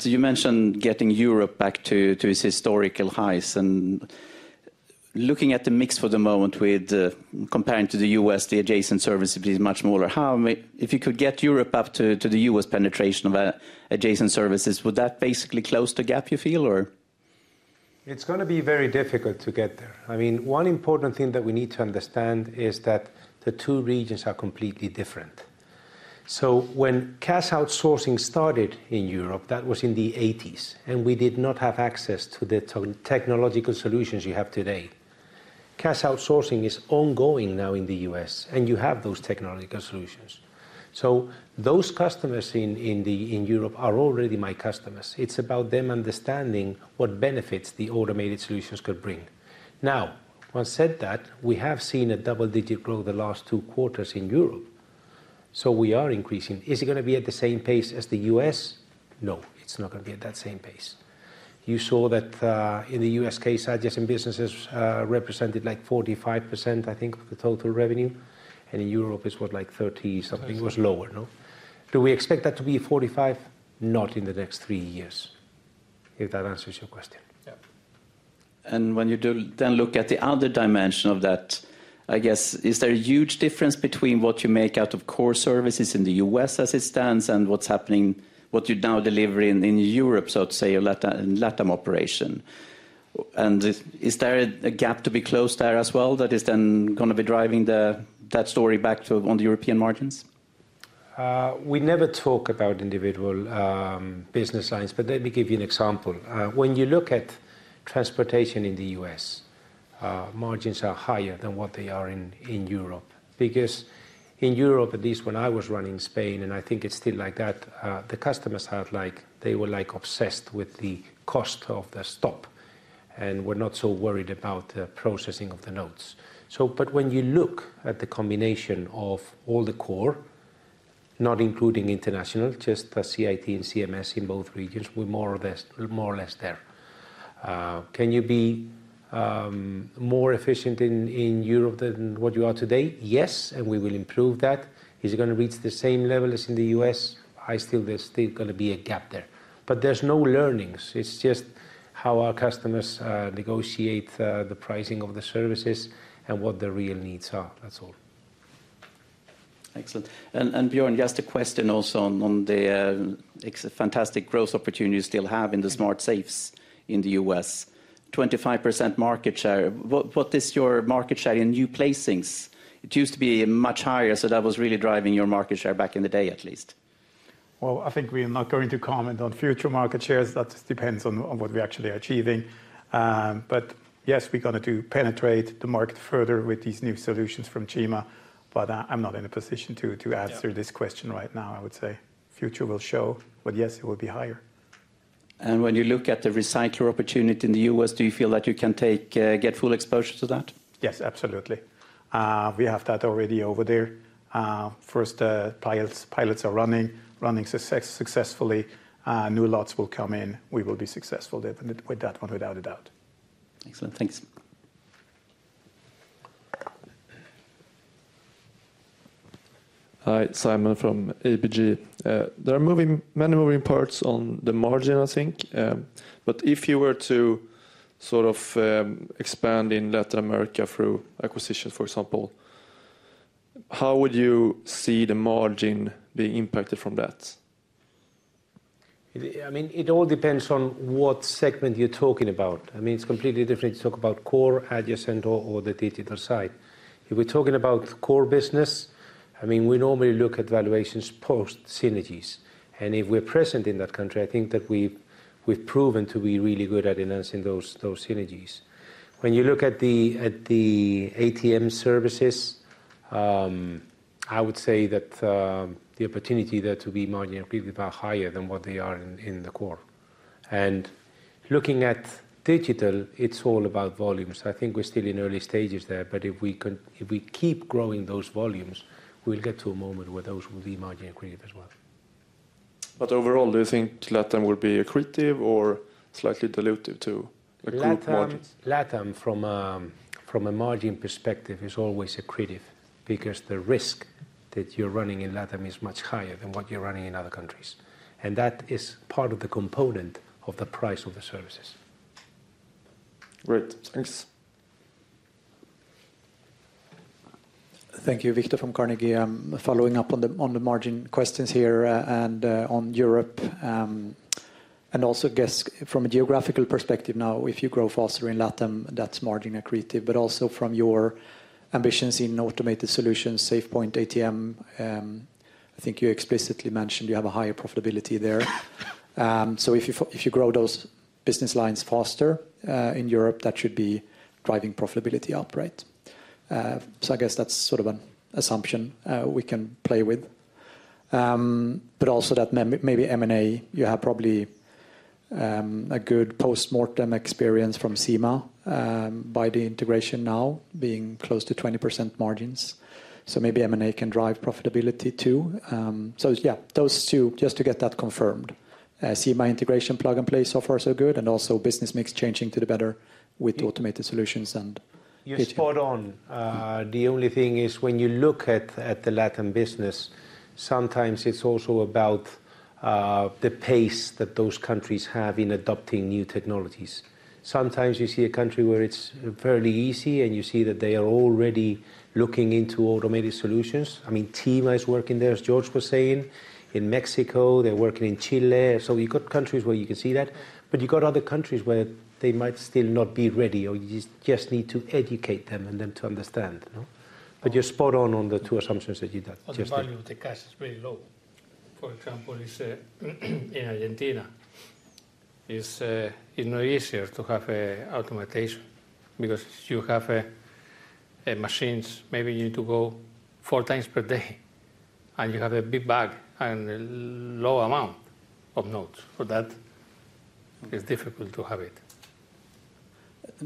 you mentioned getting Europe back to its historical highs. And looking at the mix for the moment with comparing to the U.S., the adjacent services is much smaller. If you could get Europe up to the U.S. penetration of adjacent services, would that basically close the gap, you feel, or? It's going to be very difficult to get there. I mean, one important thing that we need to understand is that the two regions are completely different. So when cash outsourcing started in Europe, that was in the 1980s, and we did not have access to the technological solutions you have today. Cash outsourcing is ongoing now in the U.S., and you have those technological solutions. So those customers in Europe are already my customers. It's about them understanding what benefits the automated solutions could bring. Now, once said that, we have seen a double-digit growth the last two quarters in Europe. So we are increasing. Is it going to be at the same pace as the U.S.? No, it's not going to be at that same pace. You saw that in the U.S. case, adjacent businesses represented like 45%, I think, of the total revenue. And in Europe, it's what, like 30-something was lower. Do we expect that to be 45%? Not in the next three years, if that answers your question. And when you then look at the other dimension of that, I guess, is there a huge difference between what you make out of core services in the U.S. as it stands and what's happening, what you now deliver in Europe, so to say, in LATAM operation? And is there a gap to be closed there as well that is then going to be driving that story back to on the European margins? We never talk about individual business lines, but let me give you an example. When you look at transportation in the U.S., margins are higher than what they are in Europe because in Europe, at least when I was running Spain, and I think it's still like that, the customers had, they were obsessed with the cost of the stop and were not so worried about the processing of the notes. But when you look at the combination of all the core, not including international, just CIT and CMS in both regions, we're more or less there. Can you be more efficient in Europe than what you are today? Yes, and we will improve that. Is it going to reach the same level as in the US? There's still going to be a gap there. But there's no learnings. It's just how our customers negotiate the pricing of the services and what the real needs are. That's all. Excellent. And Björn, you asked a question also on the fantastic growth opportunity you still have in the smart safes in the US, 25% market share. What is your market share in new placements? It used to be much higher, so that was really driving your market share back in the day, at least. I think we're not going to comment on future market shares. That depends on what we're actually achieving. But yes, we're going to penetrate the market further with these new solutions from Cima. But I'm not in a position to answer this question right now, I would say. Future will show, but yes, it will be higher. And when you look at the recycler opportunity in the US, do you feel that you can get full exposure to that? Yes, absolutely. We have that already over there. First, pilots are running successfully. New lots will come in. We will be successful with that one, without a doubt. Excellent. Thanks. Hi, Simon from ABG. There are many moving parts on the margin, I think. But if you were to sort of expand in Latin America through acquisitions, for example, how would you see the margin being impacted from that? I mean, it all depends on what segment you're talking about. I mean, it's completely different to talk about core, adjacent, or the digital side. If we're talking about core business, I mean, we normally look at valuations post synergies. And if we're present in that country, I think that we've proven to be really good at enhancing those synergies. When you look at the ATM services, I would say that the opportunity there to be margin accretive are higher than what they are in the core. And looking at digital, it's all about volumes. I think we're still in early stages there, but if we keep growing those volumes, we'll get to a moment where those will be margin accretive as well. But overall, do you think LATAM will be accretive or slightly dilutive to a group margin? LATAM, from a margin perspective, is always accretive because the risk that you're running in LATAM is much higher than what you're running in other countries. And that is part of the component of the price of the services. Great. Thanks. Thank you, Viktor from Carnegie. I'm following up on the margin questions here and on Europe. And also, I guess, from a geographical perspective now, if you grow faster in LATAM, that's margin accretive. But also from your ambitions in automated solutions, SafePoint ATM, I think you explicitly mentioned you have a higher profitability there. So if you grow those business lines faster in Europe, that should be driving profitability up, right? So I guess that's sort of an assumption we can play with. But also that maybe M&A, you have probably a good post-mortem experience from Cima by the integration now, being close to 20% margins. So maybe M&A can drive profitability too. So yeah, those two, just to get that confirmed. Cima integration plug and play so far so good, and also business mix changing to the better with automated solutions and. You're spot on. The only thing is when you look at the LATAM business, sometimes it's also about the pace that those countries have in adopting new technologies. Sometimes you see a country where it's fairly easy, and you see that they are already looking into automated solutions. I mean, Cima is working there, as George was saying. In Mexico, they're working in Chile. So you've got countries where you can see that. But you've got other countries where they might still not be ready, or you just need to educate them and them to understand. But you're spot on on the two assumptions that you just did. The margin with the cash is really low. For example, in Argentina, it's no easier to have automation because you have machines. Maybe you need to go four times per day, and you have a big bag and a low amount of notes. For that, it's difficult to have it.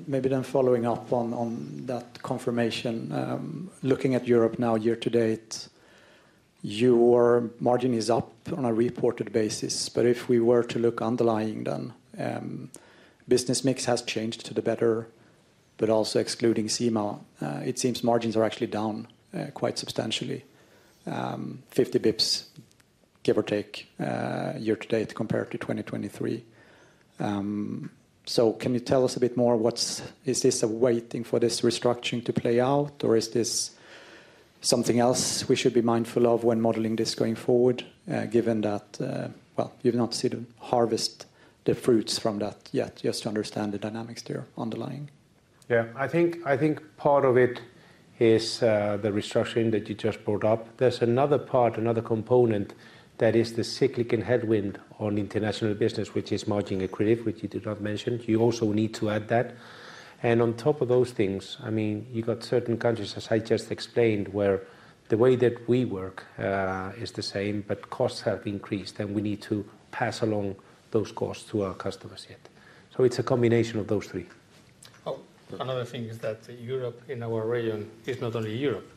Maybe then following up on that confirmation, looking at Europe now, year to date, your margin is up on a reported basis. If we were to look underlying then, business mix has changed to the better. Also excluding Cima, it seems margins are actually down quite substantially, 50 basis points, give or take, year to date compared to 2023. Can you tell us a bit more? Is this just waiting for this restructuring to play out, or is this something else we should be mindful of when modeling this going forward, given that, well, you have not yet harvested the fruits from that yet, just to understand the underlying dynamics there? Yeah, I think part of it is the restructuring that you just brought up. There is another part, another component that is the cyclical headwind on international business, which is margin accretive, which you did not mention. You also need to add that. And on top of those things, I mean, you have got certain countries, as I just explained, where the way that we work is the same, but costs have increased, and we need to pass along those costs to our customers yet. So it is a combination of those three. Another thing is that Europe in our region is not only Europe.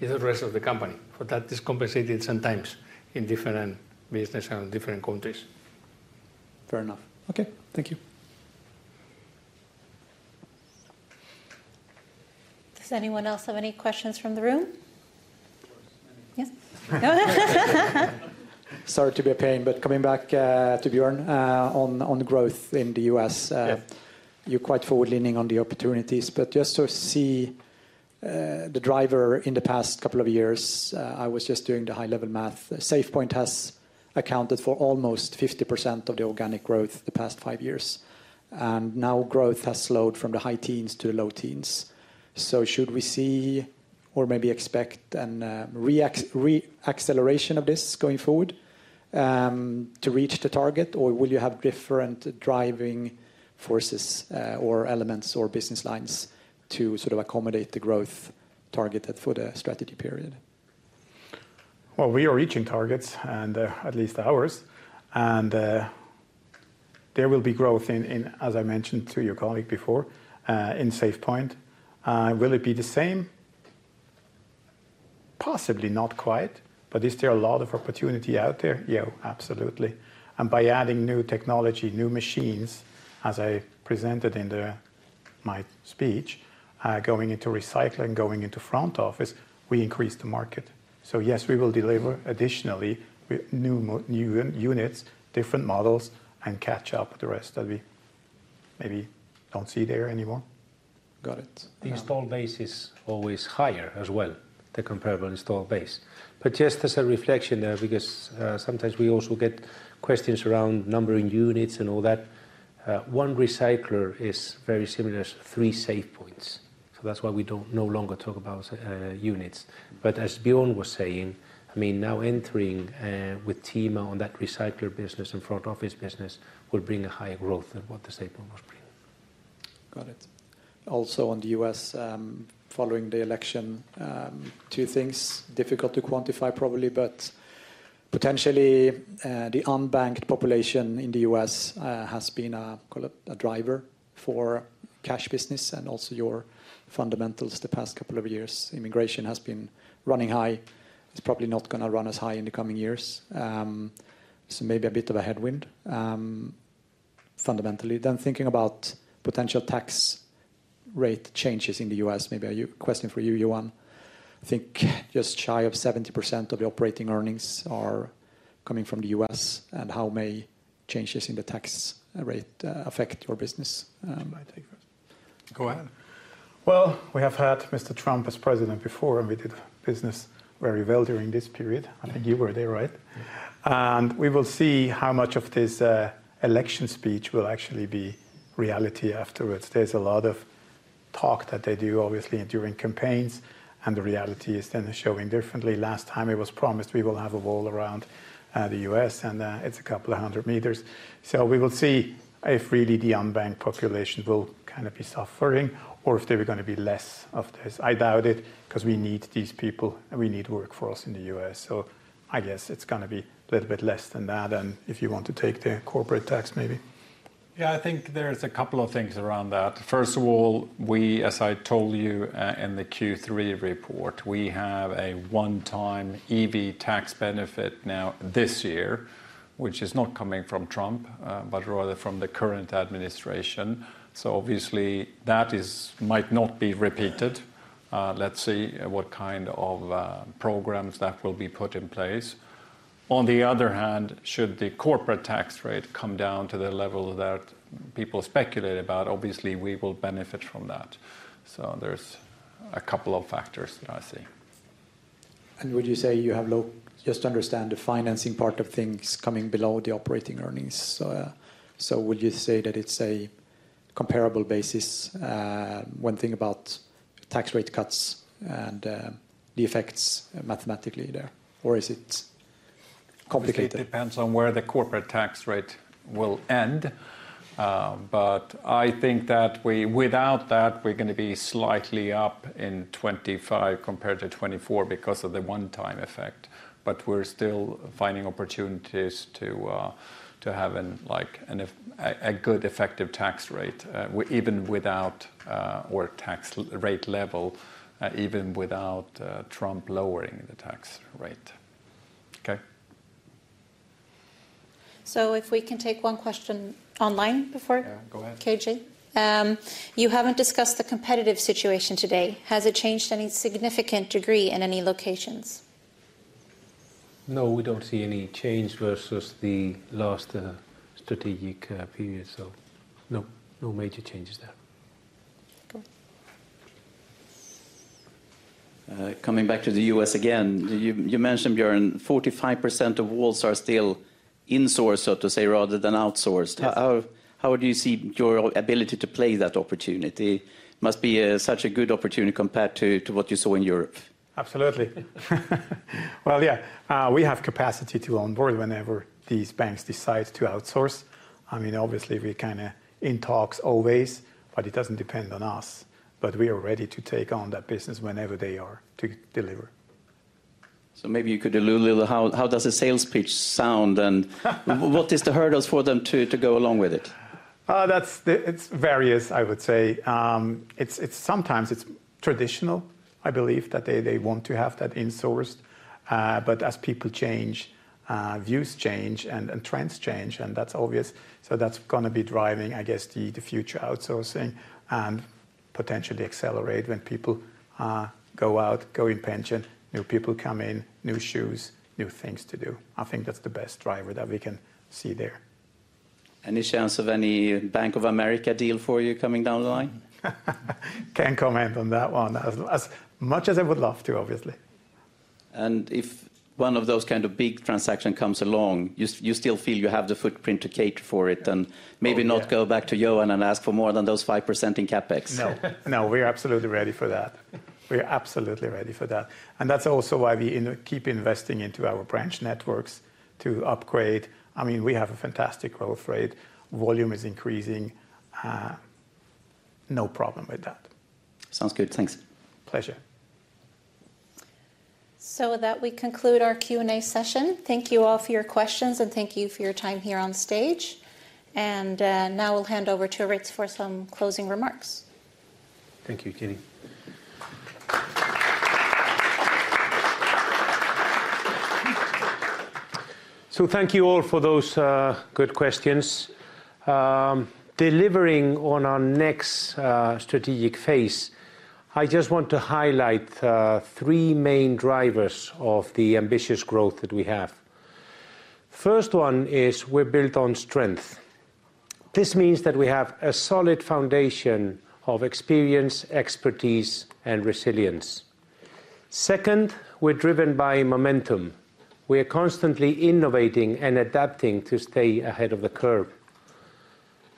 It's the rest of the company. For that, it's compensated sometimes in different business and different countries. Fair enough. Okay. Thank you. Does anyone else have any questions from the room? Yes. Sorry to be a pain, but coming back to Björn on growth in the US, you're quite forward-leaning on the opportunities. But just to see the driver in the past couple of years, I was just doing the high-level math. SafePoint has accounted for almost 50% of the organic growth the past five years. And now growth has slowed from the high teens to the low teens. So should we see or maybe expect an acceleration of this going forward to reach the target, or will you have different driving forces or elements or business lines to sort of accommodate the growth targeted for the strategy period? Well, we are reaching targets, and at least ours. And there will be growth in, as I mentioned to your colleague before, in SafePoint. Will it be the same? Possibly not quite. But is there a lot of opportunity out there? Yeah, absolutely. And by adding new technology, new machines, as I presented in my speech, going into recycling, going into front office, we increase the market. So yes, we will deliver additionally new units, different models, and catch up with the rest that we maybe don't see there anymore. Got it. The install base is always higher as well, the comparable install base. But just as a reflection there, because sometimes we also get questions around numbering units and all that, one recycler is very similar as three SafePoints. So that's why we don't no longer talk about units. But as Björn was saying, I mean, now entering with Cima on that recycler business and front office business will bring a higher growth than what the SafePoint was bringing. Got it. Also on the U.S., following the election, two things difficult to quantify probably, but potentially the unbanked population in the U.S. has been a driver for cash business and also your fundamentals the past couple of years. Immigration has been running high. It's probably not going to run as high in the coming years. So maybe a bit of a headwind fundamentally. Then thinking about potential tax rate changes in the U.S., maybe a question for you, Johan. I think just shy of 70% of the operating earnings are coming from the U.S. And how may changes in the tax rate affect your business? Go ahead. Well, we have had Mr. Trump as president before, and we did business very well during this period. I think you were there, right, and we will see how much of this election speech will actually be reality afterwards. There's a lot of talk that they do, obviously, during campaigns, and the reality is then showing differently. Last time, it was promised we will have a wall around the U.S., and it's a couple of hundred meters, so we will see if really the unbanked population will kind of be suffering or if there are going to be less of this. I doubt it because we need these people, and we need workforce in the U.S., so I guess it's going to be a little bit less than that, and if you want to take the corporate tax, maybe. Yeah, I think there's a couple of things around that. First of all, we, as I told you in the Q3 report, we have a one-time EV tax benefit now this year, which is not coming from Trump, but rather from the current administration, so obviously that might not be repeated. Let's see what kind of programs that will be put in place. On the other hand, should the corporate tax rate come down to the level that people speculate about, obviously we will benefit from that, so there's a couple of factors that I see. And would you say you have just understand the financing part of things coming below the operating earnings, so would you say that it's a comparable basis when thinking about tax rate cuts and the effects mathematically there, or is it complicated? It depends on where the corporate tax rate will end. But I think that without that, we're going to be slightly up in 2025 compared to 2024 because of the one-time effect. But we're still finding opportunities to have a good effective tax rate, even without our tax rate level, even without Trump lowering the tax rate. Okay. So if we can take one question online before KJ. You haven't discussed the competitive situation today. Has it changed any significant degree in any locations? No, we don't see any change versus the last strategic period. So no major changes there. Coming back to the U.S. again, you mentioned Björn, 45% of vaults are still insourced, so to say, rather than outsourced. How do you see your ability to play that opportunity? It must be such a good opportunity compared to what you saw in Europe. Absolutely. Well, yeah, we have capacity to onboard whenever these banks decide to outsource. I mean, obviously, we're kind of in talks always, but it doesn't depend on us. But we are ready to take on that business whenever they are to deliver. So maybe you could allude a little. How does a sales pitch sound, and what is the hurdles for them to go along with it? It's various, I would say. Sometimes it's traditional, I believe, that they want to have that insourced. But as people change, views change, and trends change, and that's obvious. So that's going to be driving, I guess, the future outsourcing and potentially accelerate when people go out, go in pension, new people come in, new views, new things to do. I think that's the best driver that we can see there. Any sense of any Bank of America deal for you coming down the line? Can't comment on that one, as much as I would love to, obviously. And if one of those kind of big transactions comes along, you still feel you have the footprint to cater for it and maybe not go back to Johan and ask for more than those 5% in CapEx? No, no, we're absolutely ready for that. We're absolutely ready for that. And that's also why we keep investing into our branch networks to upgrade. I mean, we have a fantastic growth rate. Volume is increasing. No problem with that. Sounds good. Thanks. Pleasure. 'So with that, we conclude our Q&A session. Thank you all for your questions, and thank you for your time here on stage. And now we'll hand over to Aritz for some closing remarks. Thank you, Jenny. So thank you all for those good questions. Delivering on our next strategic phase, I just want to highlight three main drivers of the ambitious growth that we have. First one is we're built on strength. This means that we have a solid foundation of experience, expertise, and resilience. Second, we're driven by momentum. We are constantly innovating and adapting to stay ahead of the curve,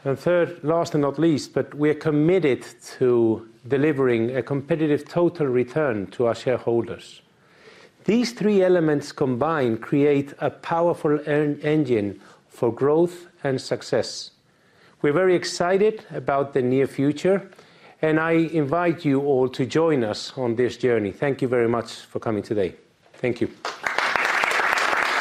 and third, last and not least, but we are committed to delivering a competitive total return to our shareholders. These three elements combined create a powerful engine for growth and success. We're very excited about the near future, and I invite you all to join us on this journey. Thank you very much for coming today. Thank you.